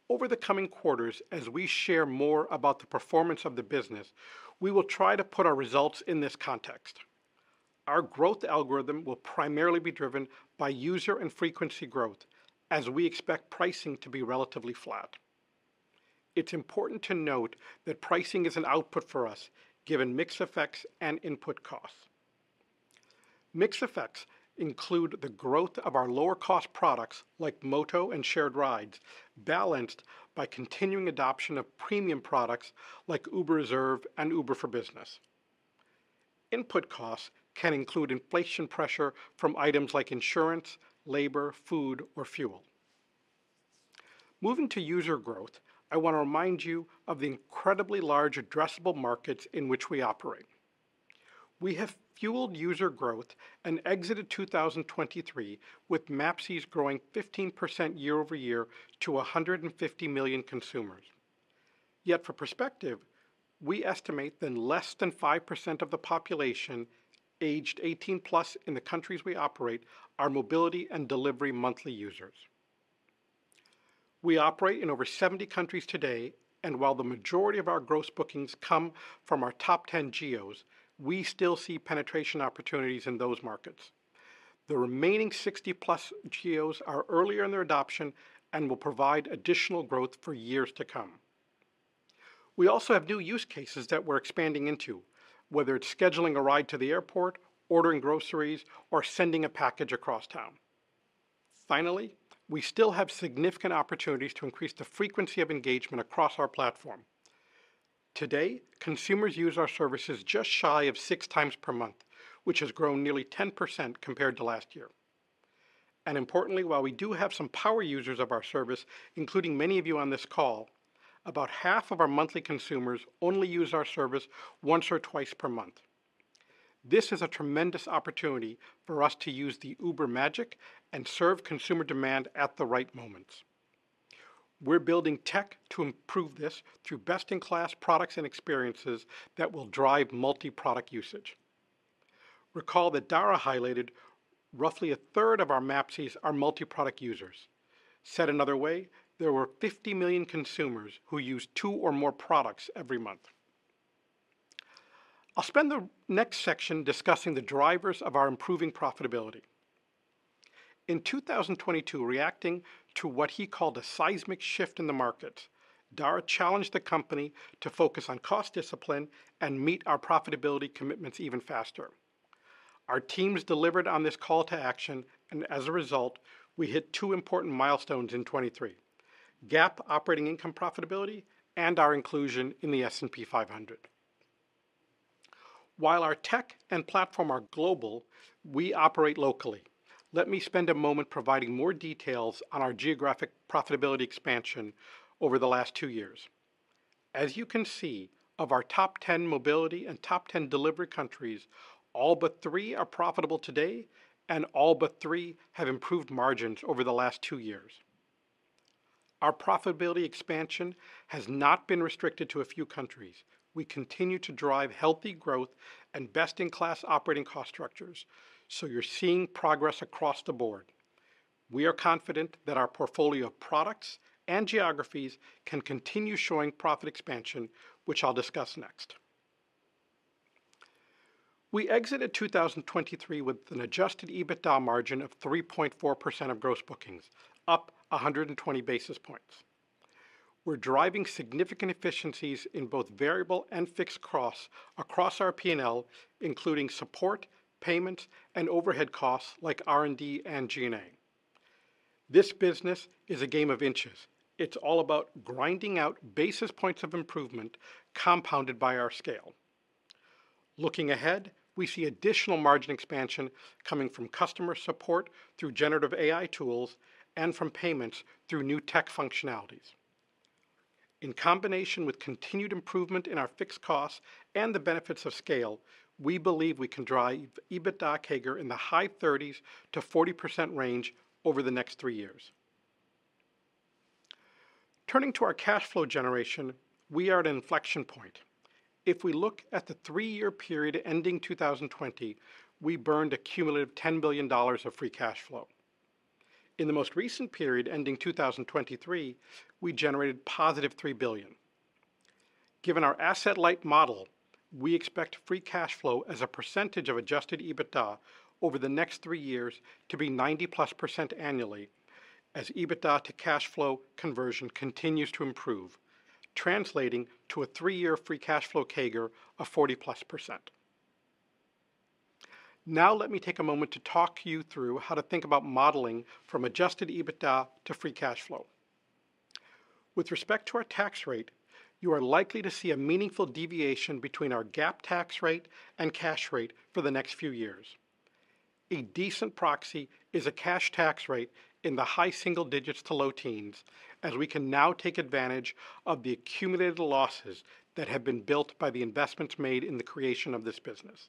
Over the coming quarters, as we share more about the performance of the business, we will try to put our results in this context. Our growth algorithm will primarily be driven by user and frequency growth as we expect pricing to be relatively flat. It's important to note that pricing is an output for us, given mix effects and input costs. Mix effects include the growth of our lower-cost products, like Moto and Shared Rides, balanced by continuing adoption of premium products like Uber Reserve and Uber for Business. Input costs can include inflation pressure from items like insurance, labor, food, or fuel. Moving to user growth, I want to remind you of the incredibly large addressable markets in which we operate. We have fueled user growth and exited 2023 with MAPCs growing 15% year-over-year to 150 million consumers. Yet for perspective, we estimate that less than 5% of the population, aged 18+ in the countries we operate, are Mobility and Delivery monthly users. We operate in over 70 countries today, and while the majority of our gross bookings come from our top 10 geos, we still see penetration opportunities in those markets. The remaining 60+ geos are earlier in their adoption and will provide additional growth for years to come. We also have new use cases that we're expanding into, whether it's scheduling a ride to the airport, ordering groceries, or sending a package across town. Finally, we still have significant opportunities to increase the frequency of engagement across our platform. Today, consumers use our services just shy of 6 times per month, which has grown nearly 10% compared to last year. And importantly, while we do have some power users of our service, including many of you on this call, about half of our monthly consumers only use our service once or twice per month. This is a tremendous opportunity for us to use the Uber magic and serve consumer demand at the right moments. We're building tech to improve this through best-in-class products and experiences that will drive multi-product usage. Recall that Dara highlighted roughly a third of our MAPCs are multi-product users. Said another way, there were 50 million consumers who used two or more products every month. I'll spend the next section discussing the drivers of our improving profitability. In 2022, reacting to what he called a seismic shift in the market, Dara challenged the company to focus on cost discipline and meet our profitability commitments even faster. Our teams delivered on this call to action, and as a result, we hit two important milestones in 2023: GAAP operating income profitability, and our inclusion in the S&P 500. While our tech and platform are global, we operate locally. Let me spend a moment providing more details on our geographic profitability expansion over the last two years. As you can see, of our top 10 Mobility and top 10 Delivery countries, all but three are profitable today, and all but three have improved margins over the last two years. Our profitability expansion has not been restricted to a few countries. We continue to drive healthy growth and best-in-class operating cost structures, so you're seeing progress across the board. We are confident that our portfolio of products and geographies can continue showing profit expansion, which I'll discuss next. We exited 2023 with an adjusted EBITDA margin of 3.4% of gross bookings, up 100 basis points. We're driving significant efficiencies in both variable and fixed costs across our P&L, including support, payments, and overhead costs like R&D and G&A. This business is a game of inches. It's all about grinding out basis points of improvement, compounded by our scale. Looking ahead, we see additional margin expansion coming from customer support through generative AI tools and from payments through new tech functionalities. In combination with continued improvement in our fixed costs and the benefits of scale, we believe we can drive EBITDA CAGR in the high 30s-40% range over the next three years. Turning to our cash flow generation, we are at an inflection point. If we look at the three-year period ending 2020, we burned a cumulative $10 billion of free cash flow. In the most recent period, ending 2023, we generated positive $3 billion. Given our asset-light model, we expect free cash flow as a percentage of adjusted EBITDA over the next three years to be 90%+ annually, as EBITDA to cash flow conversion continues to improve, translating to a three-year free cash flow CAGR of 40%+. Now, let me take a moment to talk you through how to think about modeling from adjusted EBITDA to free cash flow. With respect to our tax rate, you are likely to see a meaningful deviation between our GAAP tax rate and cash rate for the next few years. A decent proxy is a cash tax rate in the high single digits to low teens, as we can now take advantage of the accumulated losses that have been built by the investments made in the creation of this business.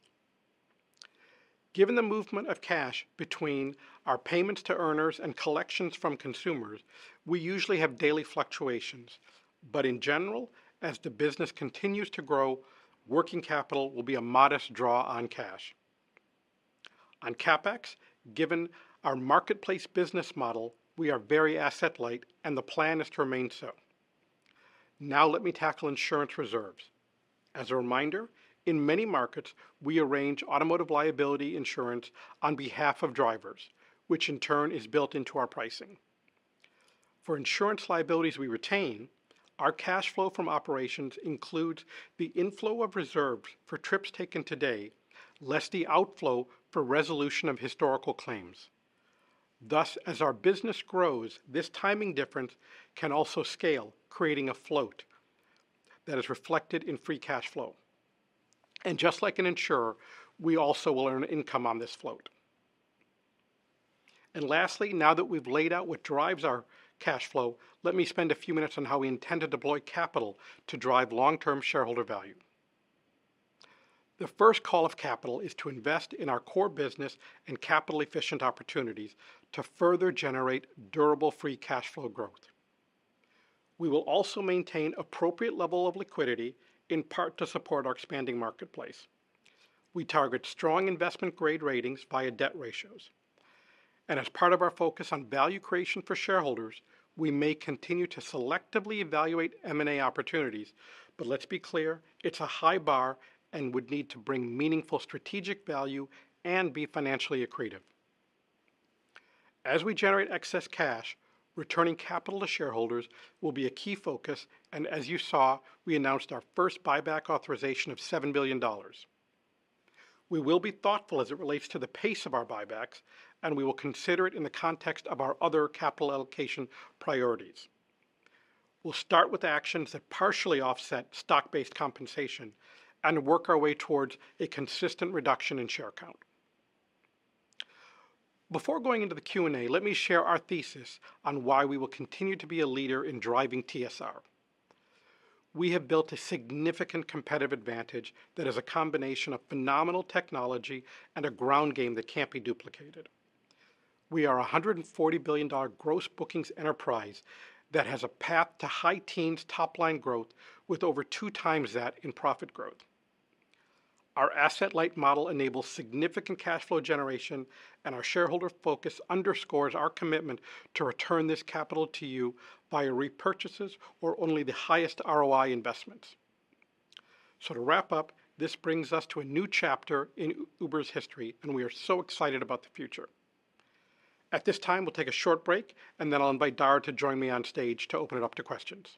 Given the movement of cash between our payments to earners and collections from consumers, we usually have daily fluctuations, but in general, as the business continues to grow, working capital will be a modest draw on cash. On CapEx, given our marketplace business model, we are very asset light, and the plan is to remain so. Now, let me tackle insurance reserves. As a reminder, in many markets, we arrange automotive liability insurance on behalf of drivers, which in turn is built into our pricing. For insurance liabilities we retain, our cash flow from operations includes the inflow of reserves for trips taken today, less the outflow for resolution of historical claims. Thus, as our business grows, this timing difference can also scale, creating a float that is reflected in free cash flow. Just like an insurer, we also will earn income on this float. Lastly, now that we've laid out what drives our cash flow, let me spend a few minutes on how we intend to deploy capital to drive long-term shareholder value. The first call of capital is to invest in our core business and capital-efficient opportunities to further generate durable free cash flow growth. We will also maintain appropriate level of liquidity, in part to support our expanding marketplace. We target strong investment-grade ratings via debt ratios, and as part of our focus on value creation for shareholders, we may continue to selectively evaluate M&A opportunities. But let's be clear, it's a high bar and would need to bring meaningful strategic value and be financially accretive. As we generate excess cash, returning capital to shareholders will be a key focus, and as you saw, we announced our first buyback authorization of $7 billion. We will be thoughtful as it relates to the pace of our buybacks, and we will consider it in the context of our other capital allocation priorities. We'll start with actions that partially offset stock-based compensation and work our way towards a consistent reduction in share count. Before going into the Q&A, let me share our thesis on why we will continue to be a leader in driving TSR. We have built a significant competitive advantage that is a combination of phenomenal technology and a ground game that can't be duplicated. We are a $140 billion gross bookings enterprise that has a path to high teens top-line growth with over 2x that in profit growth. Our asset-light model enables significant cash flow generation, and our shareholder focus underscores our commitment to return this capital to you via repurchases or only the highest ROI investments. To wrap up, this brings us to a new chapter in Uber's history, and we are so excited about the future. At this time, we'll take a short break, and then I'll invite Dara to join me on stage to open it up to questions.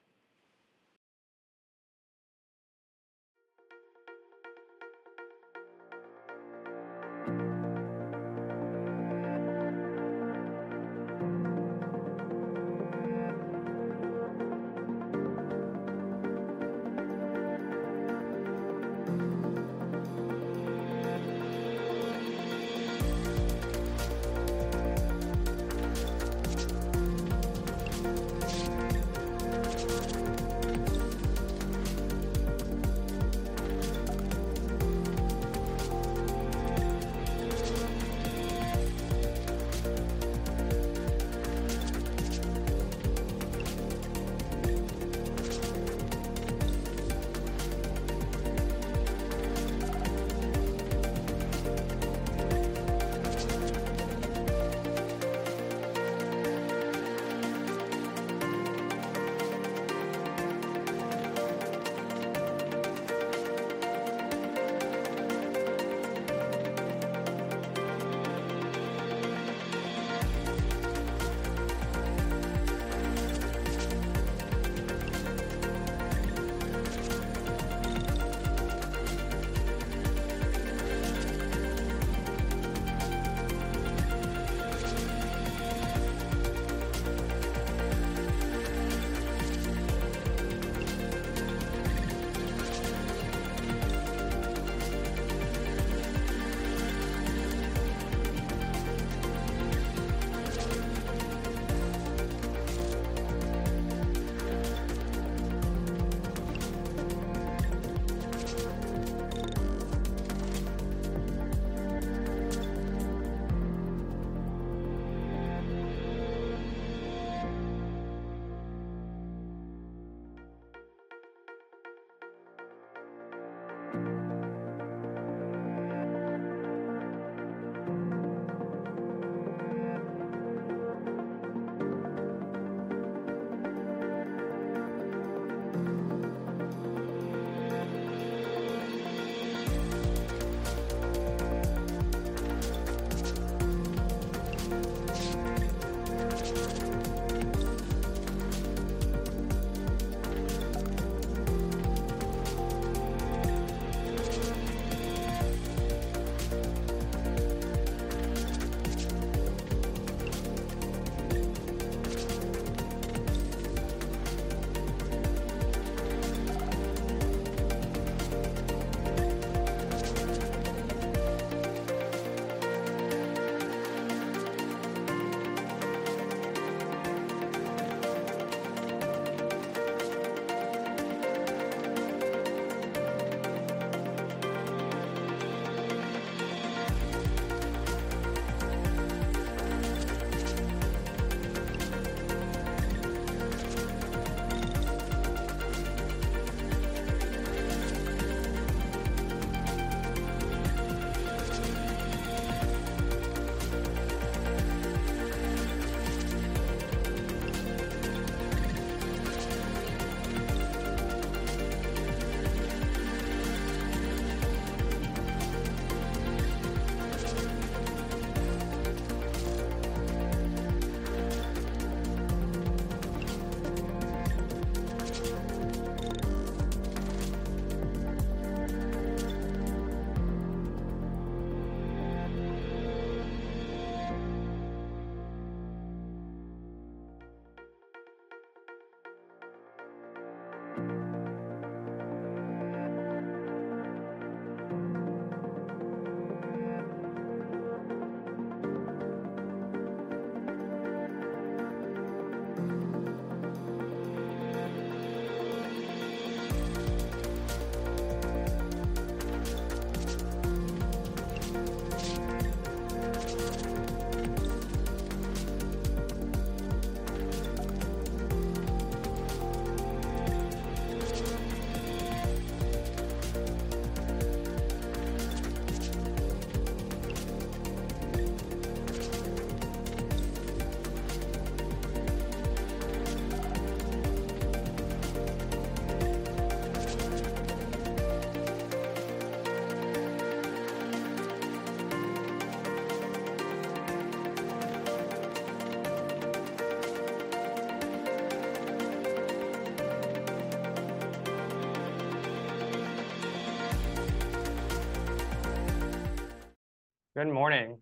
Good morning,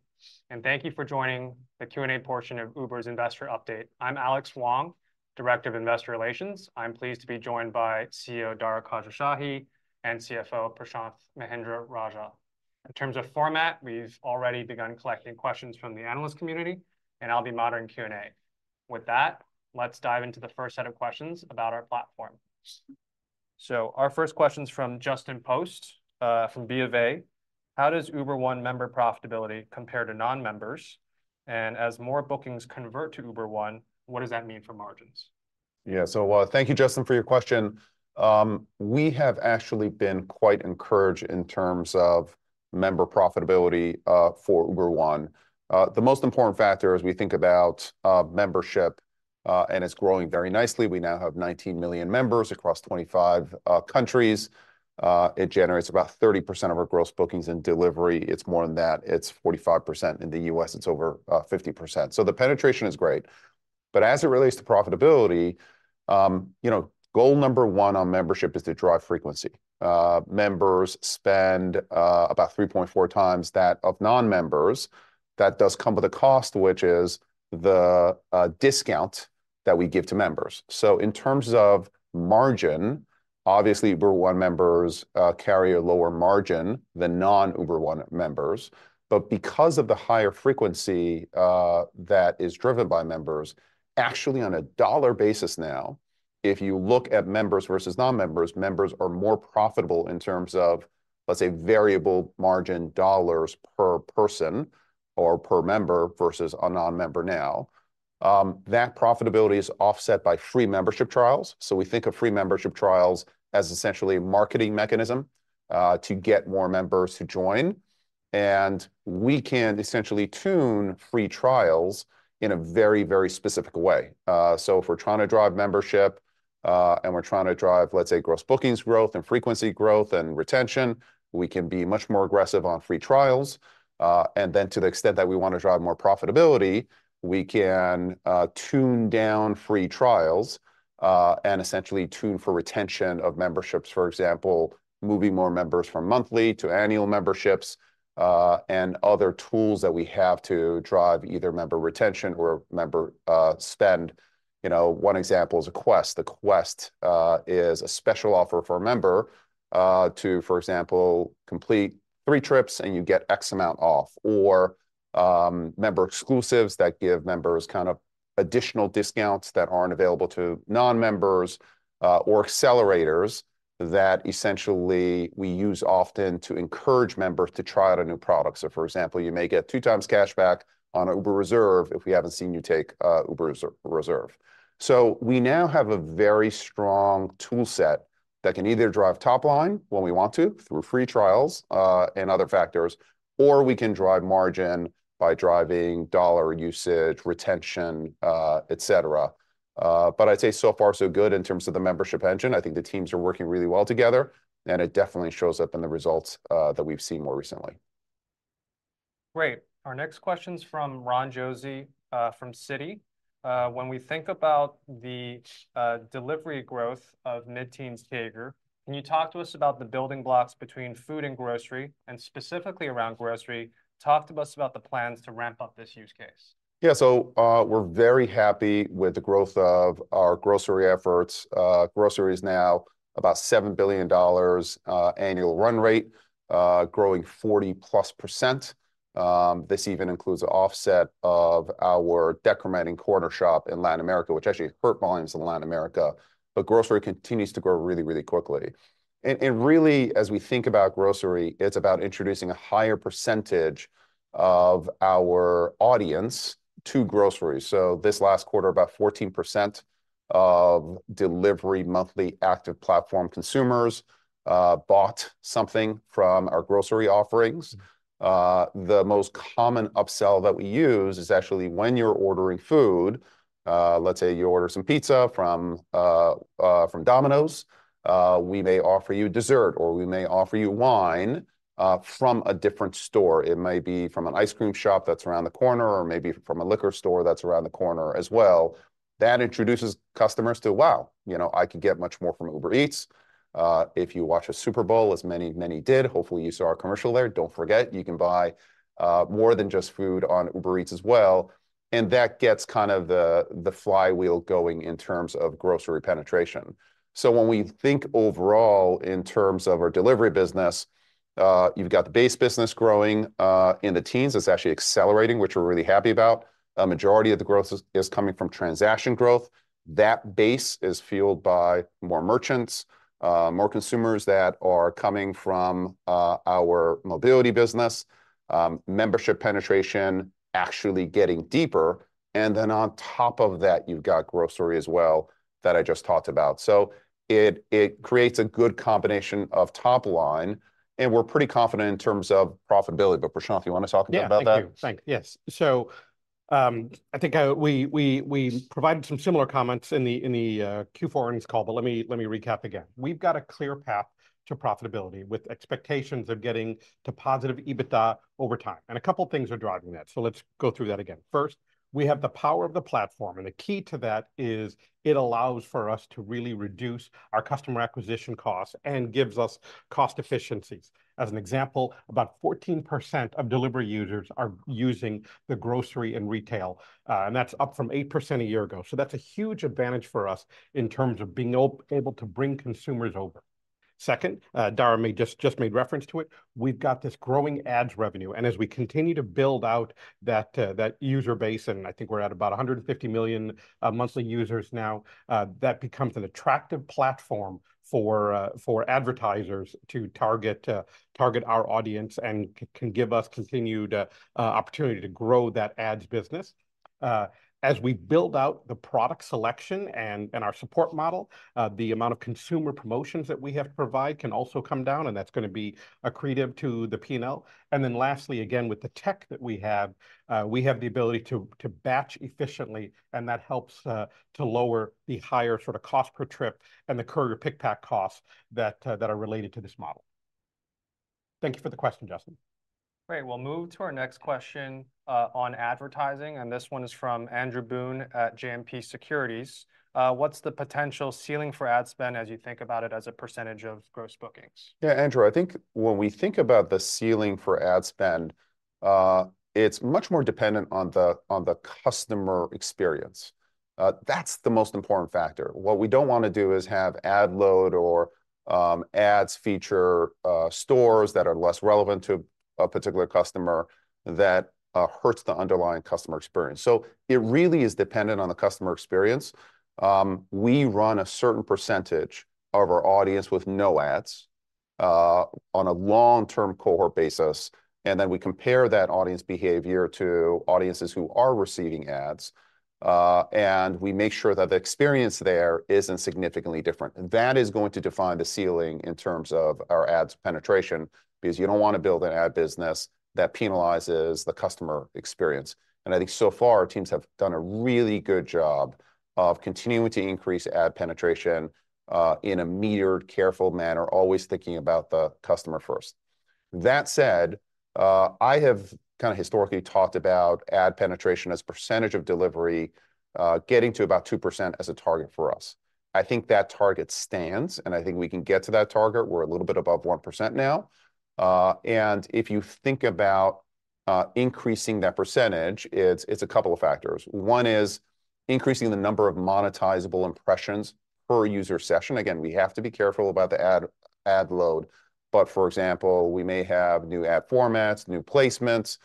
and thank you for joining the Q&A portion of Uber's investor update. I'm Alax Wang, Director of Investor Relations. I'm pleased to be joined by CEO, Dara Khosrowshahi, and CFO, Prashanth Mahendra-Rajah. In terms of format, we've already begun collecting questions from the analyst community, and I'll be moderating Q&A. With that, let's dive into the first set of questions about our platform. So our first question's from Justin Post from BofA: How does Uber One member profitability compare to non-members? And as more bookings convert to Uber One, what does that mean for margins? Yeah. So, thank you, Justin, for your question. We have actually been quite encouraged in terms of member profitability for Uber One. The most important factor as we think about membership, and it's growing very nicely. We now have 19 million members across 25 countries. It generates about 30% of our gross bookings and Delivery. It's more than that, it's 45%. In the U.S., it's over 50%. So the penetration is great. But as it relates to profitability, you know, goal number one on membership is to drive frequency. Members spend about 3.4 times that of non-members. That does come with a cost, which is the discount that we give to members. So in terms of margin, obviously, Uber One members carry a lower margin than non-Uber One members. But because of the higher frequency that is driven by members, actually, on a dollar basis now, if you look at members versus non-members, members are more profitable in terms of, let's say, variable margin dollars per person or per member versus a non-member now. That profitability is offset by free membership trials. So we think of free membership trials as essentially a marketing mechanism to get more members to join, and we can essentially tune free trials in a very, very specific way. So if we're trying to drive membership and we're trying to drive, let's say, gross bookings growth and frequency growth and retention, we can be much more aggressive on free trials. And then to the extent that we want to drive more profitability, we can tune down free trials and essentially tune for retention of memberships, for example, moving more members from monthly to annual memberships and other tools that we have to drive either member retention or member spend. You know, one example is a Quest. The Quest is a special offer for a member to, for example, complete three trips and you get X amount off, or member exclusives that give members kind of additional discounts that aren't available to non-members or accelerators that essentially we use often to encourage members to try out a new product. So, for example, you may get 2x cashback on Uber Reserve if we haven't seen you take Uber Reserve. We now have a very strong toolset that can either drive top line when we want to, through free trials, and other factors, or we can drive margin by driving dollar usage, retention, et cetera. But I'd say so far, so good in terms of the membership engine. I think the teams are working really well together, and it definitely shows up in the results that we've seen more recently. Great. Our next question's from Ron Josey from Citi. "When we think about the Delivery growth of mid-teens CAGR, can you talk to us about the building blocks between Food and grocery, and specifically around grocery, talk to us about the plans to ramp up this use case? Yeah, so, we're very happy with the growth of our grocery efforts. grocery is now about $7 billion annual run rate, growing 40%+. This even includes the offset of our decrementing Cornershop in Latin America, which actually hurt volumes in Latin America, but grocery continues to grow really, really quickly. And, really, as we think about grocery, it's about introducing a higher percentage of our audience to grocery. So this last quarter, about 14% of Delivery Monthly Active Platform Consumers bought something from our grocery offerings. The most common upsell that we use is actually when you're ordering food, let's say you order some pizza from Domino's, we may offer you dessert or we may offer you wine from a different store. It may be from an ice cream shop that's around the corner or maybe from a liquor store that's around the corner as well. That introduces customers to, "Wow! You know, I could get much more from Uber Eats." If you watch a Super Bowl, as many, many did, hopefully you saw our commercial there. Don't forget, you can buy more than just food on Uber Eats as well, and that gets kind of the, the flywheel going in terms of grocery penetration. So when we think overall in terms of our Delivery business, you've got the base business growing in the teens. It's actually accelerating, which we're really happy about. A majority of the growth is, is coming from transaction growth. That base is fueled by more merchants, more consumers that are coming from our Mobility business, membership penetration actually getting deeper, and then on top of that, you've got grocery as well, that I just talked about. So it, it creates a good combination of top line, and we're pretty confident in terms of profitability. But Prashanth, do you want to talk about that? Yeah. Thank you. Yes. So, I think we provided some similar comments in the Q4 earnings call, but let me recap again. We've got a clear path to profitability, with expectations of getting to positive EBITDA over time, and a couple of things are driving that, so let's go through that again. First, we have the power of the platform, and the key to that is it allows for us to really reduce our customer acquisition costs and gives us cost efficiencies. As an example, about 14% of Delivery users are using the grocery and retail, and that's up from 8% a year ago. So that's a huge advantage for us in terms of being able to bring consumers over. Second, Dara made reference to it. We've got this growing ads revenue, and as we continue to build out that, that user base, and I think we're at about 150 million monthly users now, that becomes an attractive platform for, for advertisers to target, target our audience, and can give us continued, opportunity to grow that ads business. As we build out the product selection and, and our support model, the amount of consumer promotions that we have to provide can also come down, and that's gonna be accretive to the P&L. And then lastly, again, with the tech that we have, we have the ability to, to batch efficiently, and that helps, to lower the higher sort of cost per trip and the courier pick pack costs that, that are related to this model.... Thank you for the question, Justin. Great, we'll move to our next question on Advertising, and this one is from Andrew Boone at JMP Securities. What's the potential ceiling for ad spend as you think about it as a percentage of gross bookings? Yeah, Andrew, I think when we think about the ceiling for ad spend, it's much more dependent on the customer experience. That's the most important factor. What we don't wanna do is have ad load or ads feature stores that are less relevant to a particular customer that hurts the underlying customer experience. So it really is dependent on the customer experience. We run a certain percentage of our audience with no ads on a long-term cohort basis, and then we compare that audience behavior to audiences who are receiving ads, and we make sure that the experience there isn't significantly different. And that is going to define the ceiling in terms of our ads penetration, because you don't wanna build an ad business that penalizes the customer experience. I think so far, our teams have done a really good job of continuing to increase ad penetration in a metered, careful manner, always thinking about the customer first. That said, I have kinda historically talked about ad penetration as percentage of Delivery getting to about 2% as a target for us. I think that target stands, and I think we can get to that target. We're a little bit above 1% now. And if you think about increasing that percentage, it's a couple of factors. One is increasing the number of monetizable impressions per user session. Again, we have to be careful about the ad load, but for example, we may have new ad formats, new placements,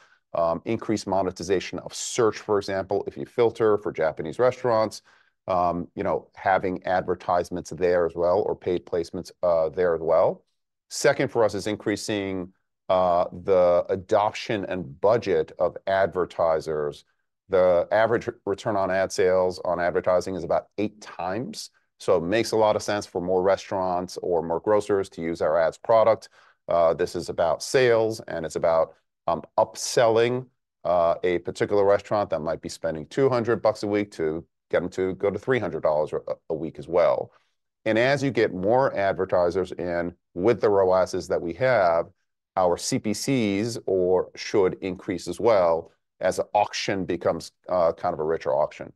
increased monetization of search, for example, if you filter for Japanese restaurants, you know, having advertisements there as well, or paid placements, there as well. Second, for us, is increasing the adoption and budget of advertisers. The average return on ad sales on Advertising is about 8 times, so it makes a lot of sense for more restaurants or more grocers to use our ads product. This is about sales, and it's about, upselling, a particular restaurant that might be spending $200 a week to get them to go to $300 a week as well. As you get more advertisers in with the ROASes that we have, our CPCs should increase as well as the auction becomes kind of a richer auction.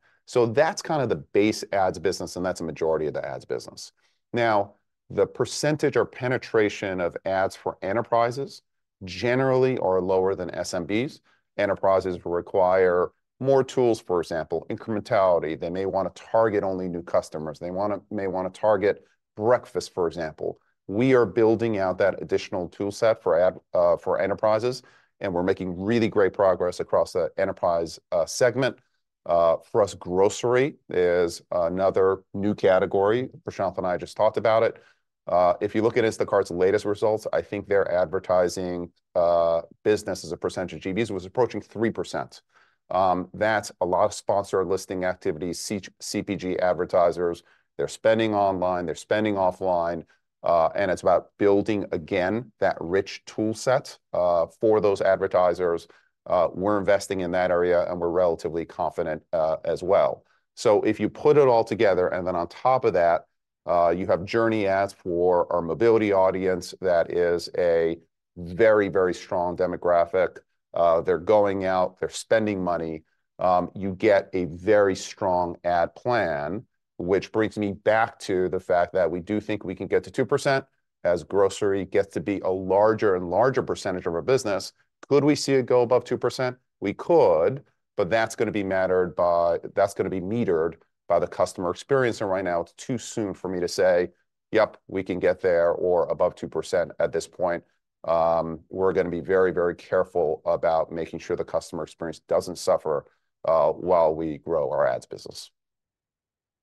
That's kind of the base ads business, and that's a majority of the ads business. Now, the percentage or penetration of ads for enterprises generally are lower than SMBs. Enterprises will require more tools, for example, incrementality. They may wanna target only new customers. They may wanna target breakfast, for example. We are building out that additional tool set for enterprises, and we're making really great progress across the enterprise segment. For us, grocery is another new category. Prashanth and I just talked about it. If you look at Instacart's latest results, I think their Advertising business as a percentage of GVs was approaching 3%. That's a lot of Sponsored Listings activities, CPG advertisers. They're spending online, they're spending offline, and it's about building again, that rich tool set, for those advertisers. We're investing in that area, and we're relatively confident as well. So if you put it all together, and then on top of that, you have Journey Ads for our Mobility audience, that is a very, very strong demographic. They're going out, they're spending money, you get a very strong ad plan, which brings me back to the fact that we do think we can get to 2% as grocery gets to be a larger and larger percentage of our business. Could we see it go above 2%? We could, but that's gonna be mattered by... That's gonna be metered by the customer experience, and right now it's too soon for me to say, "Yep, we can get there," or above 2% at this point. We're gonna be very, very careful about making sure the customer experience doesn't suffer while we grow our ads business.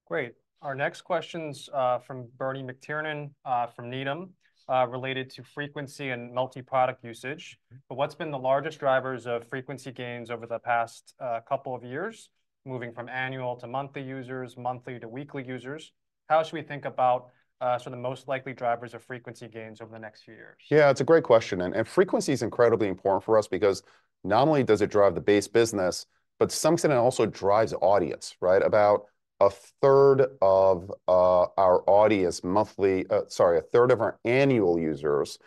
Great. Our next question's from Bernie McTernan from Needham related to frequency and multi-product usage. But what's been the largest drivers of frequency gains over the past couple of years, moving from annual to monthly users, monthly to weekly users? How should we think about sort of the most likely drivers of frequency gains over the next few years? Yeah, it's a great question, and frequency is incredibly important for us because not only does it drive the base business, but to some extent, it also drives audience, right? About a third of our audience monthly, sorry, a third of our annual users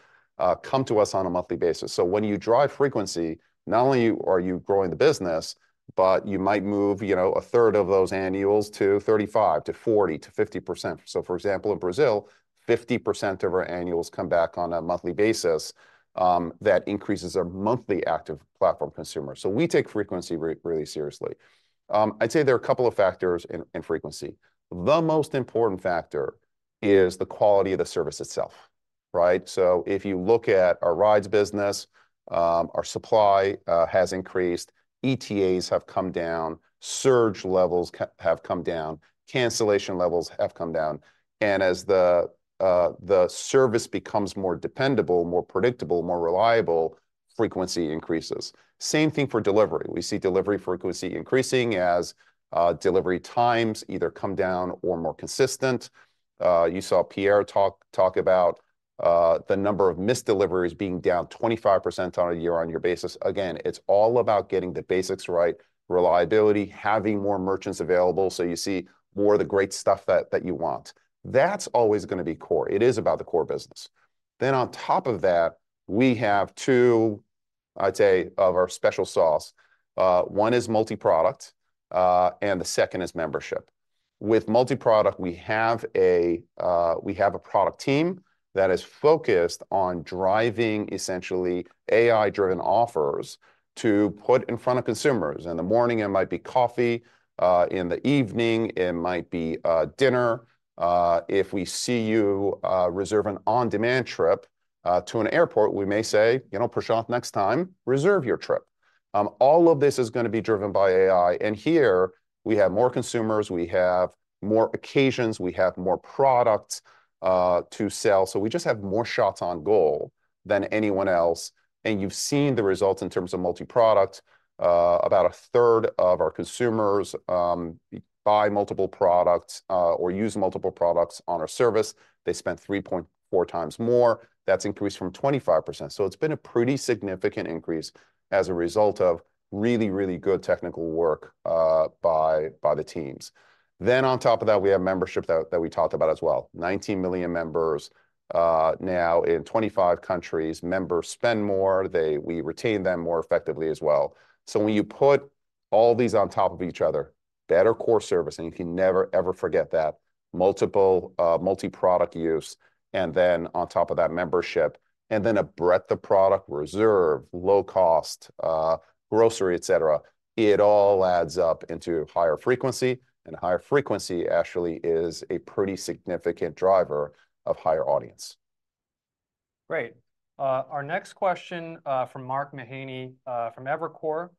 come to us on a monthly basis. So when you drive frequency, not only are you growing the business, but you might move, you know, a third of those annuals to 35, to 40, to 50%. So for example, in Brazil, 50% of our annuals come back on a monthly basis, that increases our Monthly Active Platform Consumers. So we take frequency really seriously. I'd say there are a couple of factors in frequency. The most important factor is the quality of the service itself, right? So if you look at our rides business, our supply has increased, ETAs have come down, surge levels have come down, cancellation levels have come down, and as the service becomes more dependable, more predictable, more reliable, frequency increases. Same thing for Delivery. We see Delivery frequency increasing as Delivery times either come down or more consistent. You saw Pierre talk about the number of misdeliveries being down 25% on a year-on-year basis. Again, it's all about getting the basics right, reliability, having more merchants available, so you see more of the great stuff that you want. That's always gonna be core. It is about the core business. Then on top of that, we have two... I'd say, of our special sauce. One is multi-product, and the second is membership. With multi-product, we have a product team that is focused on driving essentially AI-driven offers to put in front of consumers. In the morning, it might be coffee, in the evening, it might be dinner. If we see you reserve an on-demand trip to an airport, we may say, "You know, Prashanth, next time, reserve your trip." All of this is gonna be driven by AI, and here we have more consumers, we have more occasions, we have more products to sell. So we just have more shots on goal than anyone else, and you've seen the results in terms of multi-product. About a third of our consumers buy multiple products or use multiple products on our service. They spend 3.4 times more. That's increased from 25%, so it's been a pretty significant increase as a result of really, really good technical work, by, by the teams. Then on top of that, we have membership that, that we talked about as well. 19 million members, now in 25 countries. Members spend more, we retain them more effectively as well. So when you put all these on top of each other, better core service, and you can never, ever forget that, multiple, multi-product use, and then on top of that, membership, and then a breadth of product reserve, low cost, grocery, et cetera, it all adds up into higher frequency. And higher frequency actually is a pretty significant driver of higher audience. Great. Our next question from Mark Mahaney from Evercore.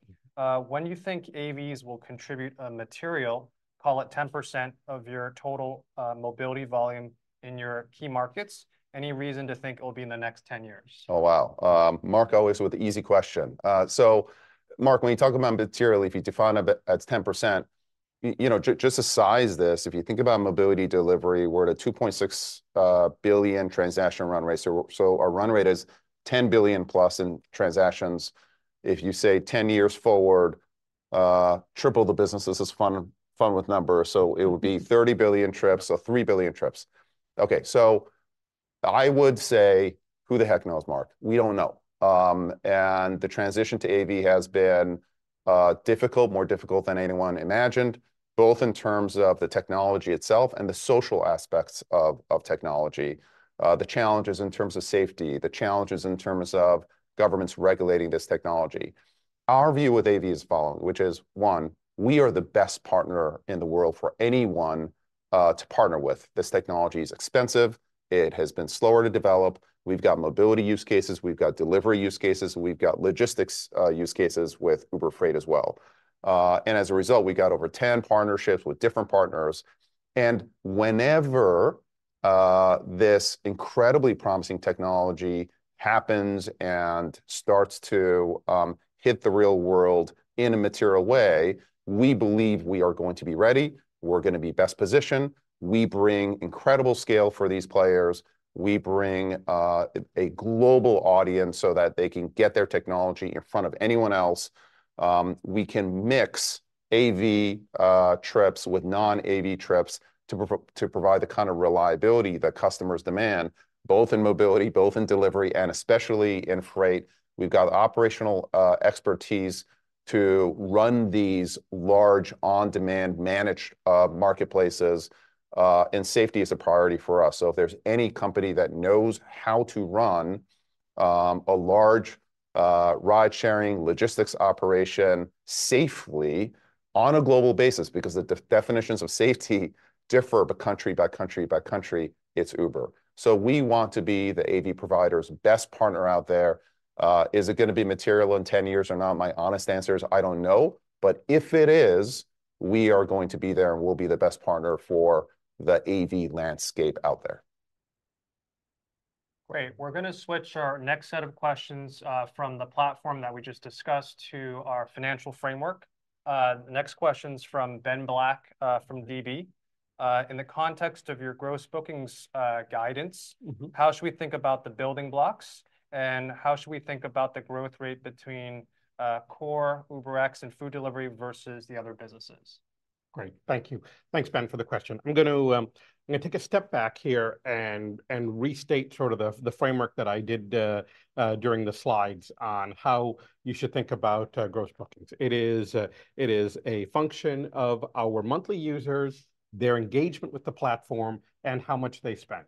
When you think AVs will contribute a material, call it 10% of your total Mobility volume in your key markets, any reason to think it will be in the next 10 years? Oh, wow. Mark, always with the easy question. So Mark, when you talk about materially, if you define a bit, as 10%, you know, just to size this, if you think about Mobility, Delivery, we're at a 2.6 billion transaction run rate. So, so our run rate is 10 billion+ in transactions. If you say 10 years forward, triple the business, this is fun, fun with numbers, so it would be 30 billion trips, so 3 billion trips. Okay, so I would say, who the heck knows, Mark? We don't know. And the transition to AV has been, difficult, more difficult than anyone imagined, both in terms of the technology itself and the social aspects of technology. The challenges in terms of safety, the challenges in terms of governments regulating this technology. Our view with AV is the following, which is, one, we are the best partner in the world for anyone, to partner with. This technology is expensive. It has been slower to develop. We've got Mobility use cases, we've got Delivery use cases, and we've got logistics, use cases with Uber Freight as well. And as a result, we got over 10 partnerships with different partners. And whenever, this incredibly promising technology happens and starts to, hit the real world in a material way, we believe we are going to be ready. We're gonna be best positioned. We bring incredible scale for these players. We bring, a global audience so that they can get their technology in front of anyone else. We can mix AV trips with non-AV trips to provide the kind of reliability that customers demand, both in Mobility, both in Delivery, and especially in Freight. We've got operational expertise to run these large, on-demand, managed marketplaces, and safety is a priority for us. So if there's any company that knows how to run a large ride-sharing logistics operation safely on a global basis, because the definitions of safety differ by country, by country, by country, it's Uber. So we want to be the AV provider's best partner out there. Is it gonna be material in ten years or not? My honest answer is, I don't know, but if it is, we are going to be there, and we'll be the best partner for the AV landscape out there. Great. We're gonna switch our next set of questions from the platform that we just discussed to our financial framework. The next question's from Ben Black from DB. In the context of your gross bookings guidance- Mm-hmm. How should we think about the building blocks, and how should we think about the growth rate between core, UberX, and food delivery versus the other businesses? Great. Thank you. Thanks, Ben, for the question. I'm going to take a step back here and restate sort of the framework that I did during the slides on how you should think about gross bookings. It is a function of our monthly users, their engagement with the platform, and how much they spend.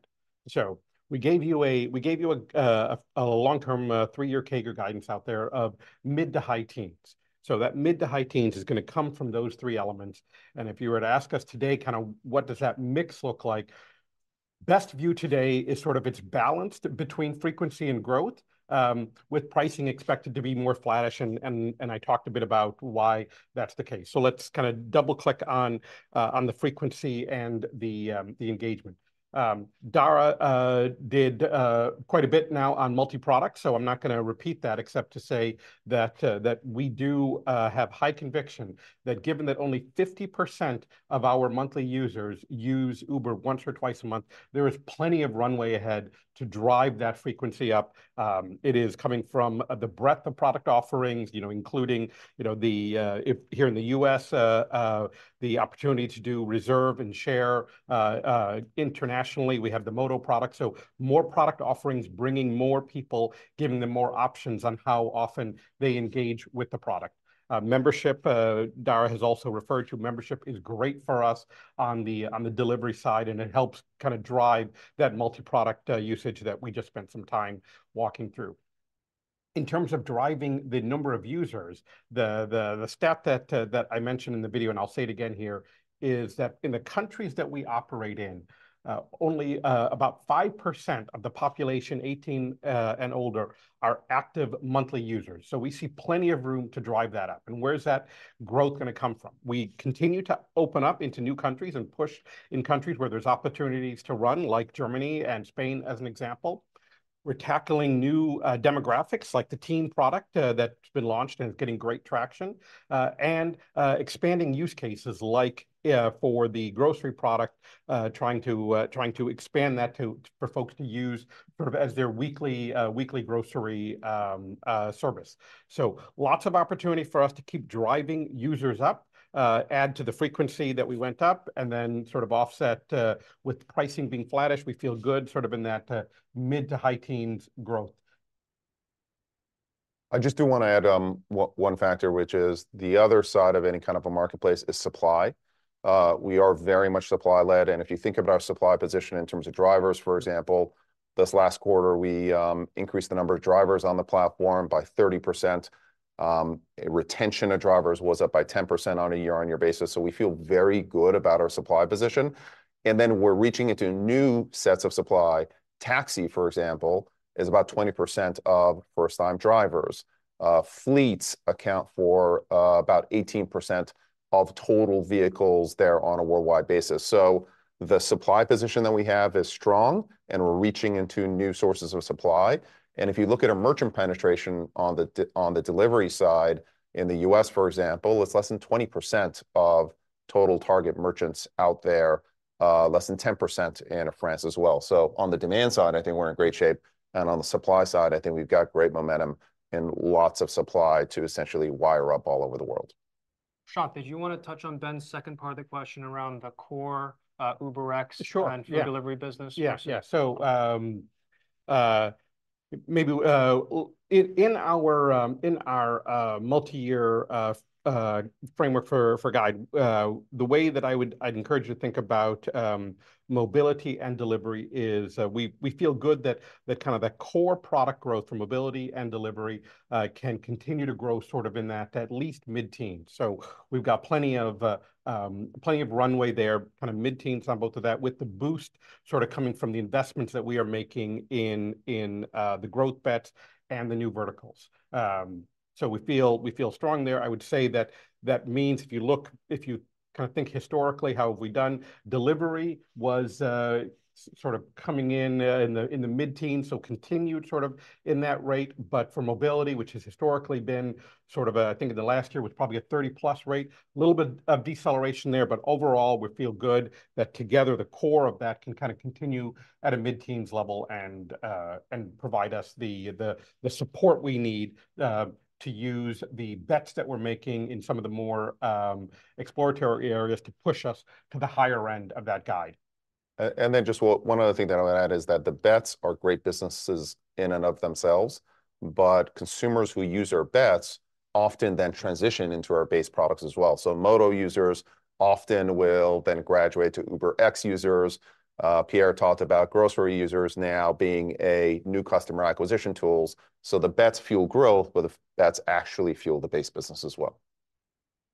So we gave you a long-term three-year CAGR guidance out there of mid- to high-teens. So that mid- to high-teens is gonna come from those three elements, and if you were to ask us today, kind of, what does that mix look like? Best view today is sort of it's balanced between frequency and growth with pricing expected to be more flattish, and I talked a bit about why that's the case. So let's kind of double-click on the frequency and the engagement. Dara did quite a bit now on multi-product, so I'm not gonna repeat that except to say that we do have high conviction that given that only 50% of our monthly users use Uber once or twice a month, there is plenty of runway ahead to drive that frequency up. It is coming from the breadth of product offerings, you know, including, you know, the here in the U.S. the opportunity to do Reserve and Share. Internationally, we have the Moto product, so more product offerings, bringing more people, giving them more options on how often they engage with the product. Membership, Dara has also referred to, membership is great for us on the Delivery side, and it helps kind of drive that multi-product usage that we just spent some time walking through... In terms of driving the number of users, the stat that I mentioned in the video, and I'll say it again here, is that in the countries that we operate in, only about 5% of the population 18 and older are active monthly users. So we see plenty of room to drive that up. And where's that growth gonna come from? We continue to open up into new countries and push in countries where there's opportunities to run, like Germany and Spain, as an example. We're tackling new demographics, like the teen product, that's been launched and is getting great traction. And, expanding use cases like, for the grocery product, trying to expand that to—for folks to use sort of as their weekly grocery service. So lots of opportunity for us to keep driving users up, add to the frequency that we went up, and then sort of offset, with pricing being flattish, we feel good sort of in that, mid- to high-teens growth. I just do wanna add one factor, which is the other side of any kind of a marketplace is supply. We are very much supply-led, and if you think about our supply position in terms of drivers, for example, this last quarter we increased the number of drivers on the platform by 30%. Retention of drivers was up by 10% on a year-on-year basis, so we feel very good about our supply position. And then we're reaching into new sets of supply. Taxi, for example, is about 20% of first-time drivers. Fleets account for about 18% of total vehicles there on a worldwide basis. So the supply position that we have is strong, and we're reaching into new sources of supply. If you look at our merchant penetration on the Delivery side, in the U.S., for example, it's less than 20% of total target merchants out there, less than 10% in France as well. So on the demand side, I think we're in great shape, and on the supply side, I think we've got great momentum and lots of supply to essentially wire up all over the world. Shah, did you wanna touch on Ben's second part of the question around the core, UberX- Sure, yeah... and food delivery business? Yeah, yeah. So, maybe in our multi-year framework to guide the way that I'd encourage you to think about Mobility and Delivery, we feel good that the core product growth for Mobility and Delivery can continue to grow sort of in that at least mid-teen. So we've got plenty of, plenty of runway there, kind of mid-teens on both of that, with the boost sort of coming from the investments that we are making in the growth bets and the new verticals. So we feel, we feel strong there. I would say that that means if you look, if you kind of think historically, how have we done? Delivery was sort of coming in in the mid-teens, so continued sort of in that rate. But for Mobility, which has historically been sort of, I think in the last year was probably a 30+ rate, little bit of deceleration there. But overall, we feel good that together the core of that can kind of continue at a mid-teens level and provide us the support we need to use the bets that we're making in some of the more exploratory areas to push us to the higher end of that guide. And then just one other thing that I'm gonna add is that the bets are great businesses in and of themselves, but consumers who use our bets often then transition into our base products as well. So Moto users often will then graduate to UberX users. Pierre talked about grocery users now being a new customer acquisition tools. So the bets fuel growth, but the bets actually fuel the base business as well.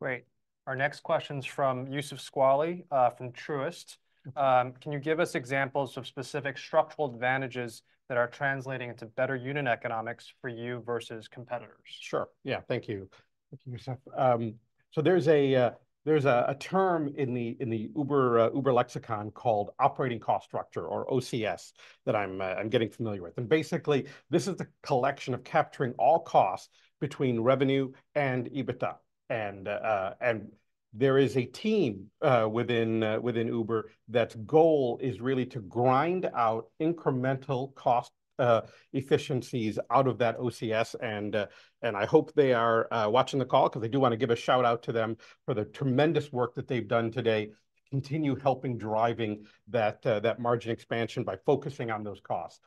Great. Our next question's from Youssef Squali from Truist. "Can you give us examples of specific structural advantages that are translating into better unit economics for you versus competitors? Sure, yeah. Thank you. Thank you, Youssef. So there's a term in the Uber lexicon called operating cost structure or OCS, that I'm getting familiar with. And basically, this is the collection of capturing all costs between revenue and EBITDA. And there is a team within Uber, that's goal is really to grind out incremental cost efficiencies out of that OCS. And I hope they are watching the call, 'cause I do wanna give a shout-out to them for the tremendous work that they've done today, continue helping driving that margin expansion by focusing on those costs.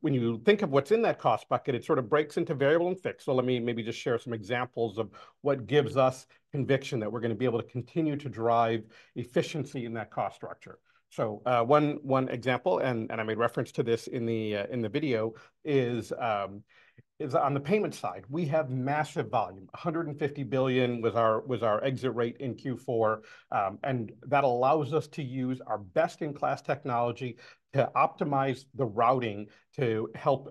When you think of what's in that cost bucket, it sort of breaks into variable and fixed. Let me maybe just share some examples of what gives us conviction that we're gonna be able to continue to drive efficiency in that cost structure. One example, and I made reference to this in the video, is on the payment side. We have massive volume, $150 billion was our exit rate in Q4. That allows us to use our best-in-class technology to optimize the routing to help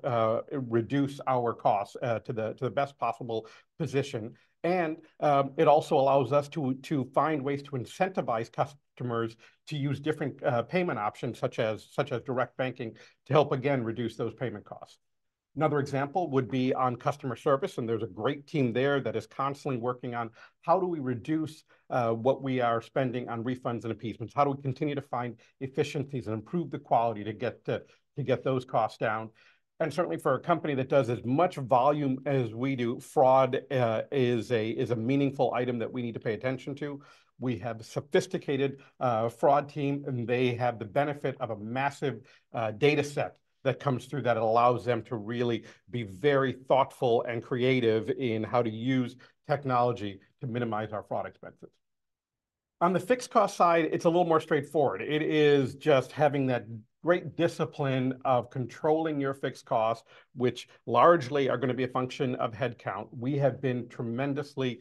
reduce our costs to the best possible position. It also allows us to find ways to incentivize customers to use different payment options, such as direct banking, to help again, reduce those payment costs. Another example would be on customer service, and there's a great team there that is constantly working on, how do we reduce, what we are spending on refunds and appeasements? How do we continue to find efficiencies and improve the quality to get the, to get those costs down? And certainly, for a company that does as much volume as we do, fraud, is a, is a meaningful item that we need to pay attention to. We have a sophisticated, fraud team, and they have the benefit of a massive, data set that comes through, that allows them to really be very thoughtful and creative in how to use technology to minimize our fraud expenses. On the fixed cost side, it's a little more straightforward. It is just having that great discipline of controlling your fixed costs, which largely are gonna be a function of headcount. We have been tremendously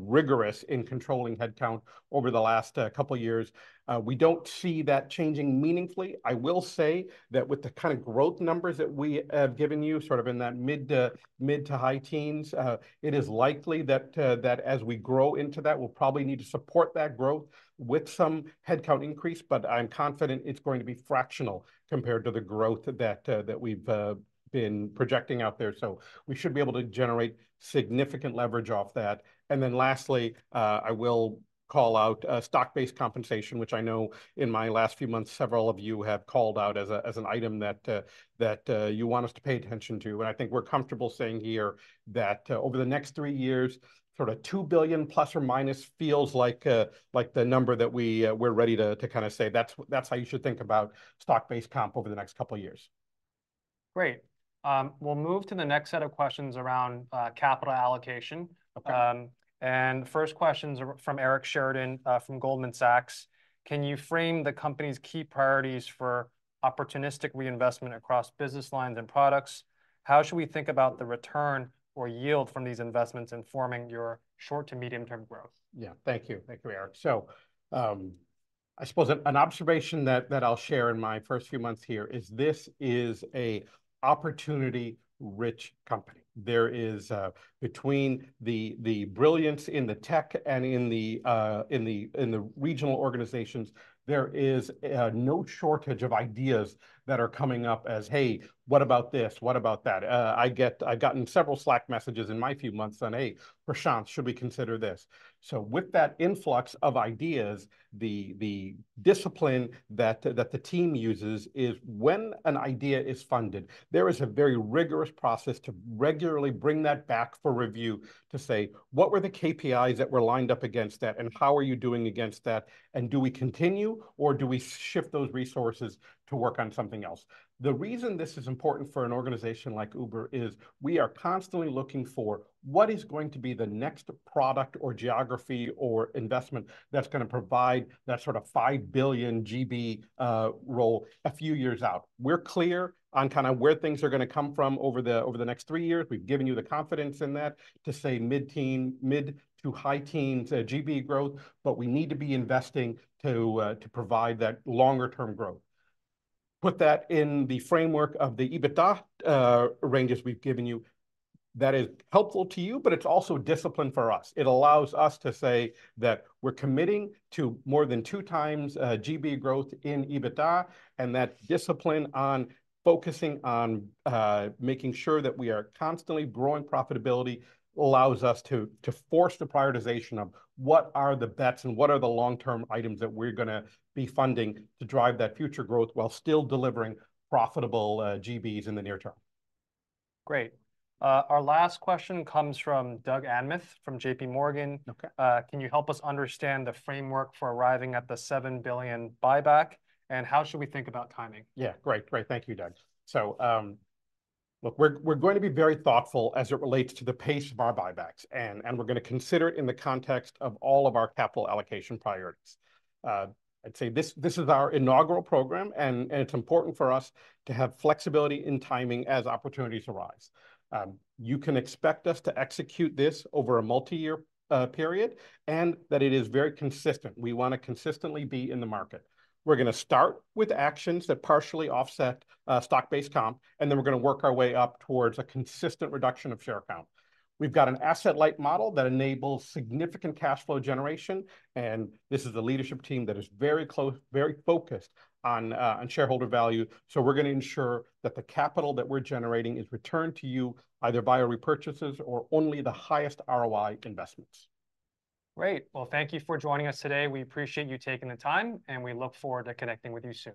rigorous in controlling headcount over the last couple years. We don't see that changing meaningfully. I will say that with the kind of growth numbers that we have given you, sort of in that mid- to high teens, it is likely that as we grow into that, we'll probably need to support that growth with some headcount increase. But I'm confident it's going to be fractional compared to the growth that we've been projecting out there. So we should be able to generate significant leverage off that. And then lastly, I will call out stock-based compensation, which I know in my last few months, several of you have called out as an item that you want us to pay attention to. I think we're comfortable saying here that, over the next three years, sort of $2 billion ± feels like, like the number that we, we're ready to, to kinda say, "That's what- that's how you should think about stock-based comp over the next couple of years. Great. We'll move to the next set of questions around capital allocation. Okay. And first question's are from Eric Sheridan, from Goldman Sachs. Can you frame the company's key priorities for opportunistic reinvestment across business lines and products? How should we think about the return or yield from these investments informing your short to medium-term growth? Yeah. Thank you. Thank you, Eric. So, I suppose an observation that I'll share in my first few months here is this is a opportunity-rich company. There is, between the brilliance in the tech and in the regional organizations, there is no shortage of ideas that are coming up as, "Hey, what about this? What about that?" I get- I've gotten several Slack messages in my few months on, "Hey, Prashanth, should we consider this?" So with that influx of ideas, the discipline that the team uses is when an idea is funded, there is a very rigorous process to regularly bring that back for review, to say, "What were the KPIs that were lined up against that, and how are you doing against that? And do we continue, or do we shift those resources to work on something else?" The reason this is important for an organization like Uber is we are constantly looking for what is going to be the next product or geography or investment that's gonna provide that sort of $5 billion GB role a few years out. We're clear on kinda where things are gonna come from over the next three years. We've given you the confidence in that to say mid-teens, mid- to high-teens GB growth, but we need to be investing to provide that longer term growth. Put that in the framework of the EBITDA ranges we've given you. That is helpful to you, but it's also discipline for us. It allows us to say that we're committing to more than 2x GB growth in EBITDA, and that discipline on focusing on making sure that we are constantly growing profitability allows us to force the prioritization of what are the bets and what are the long-term items that we're gonna be funding to drive that future growth, while still delivering profitable GBs in the near term. Great. Our last question comes from Doug Anmuth, from JPMorgan. Okay. Can you help us understand the framework for arriving at the $7 billion buyback, and how should we think about timing? Yeah, great. Great, thank you, Doug. So, look, we're going to be very thoughtful as it relates to the pace of our buybacks, and we're gonna consider it in the context of all of our capital allocation priorities. I'd say this, this is our inaugural program, and it's important for us to have flexibility in timing as opportunities arise. You can expect us to execute this over a multi-year period, and that it is very consistent. We wanna consistently be in the market. We're gonna start with actions that partially offset stock-based comp, and then we're gonna work our way up towards a consistent reduction of share count. We've got an asset-light model that enables significant cash flow generation, and this is a leadership team that is very focused on shareholder value, so we're gonna ensure that the capital that we're generating is returned to you either via repurchases or only the highest ROI investments. Great. Well, thank you for joining us today. We appreciate you taking the time, and we look forward to connecting with you soon.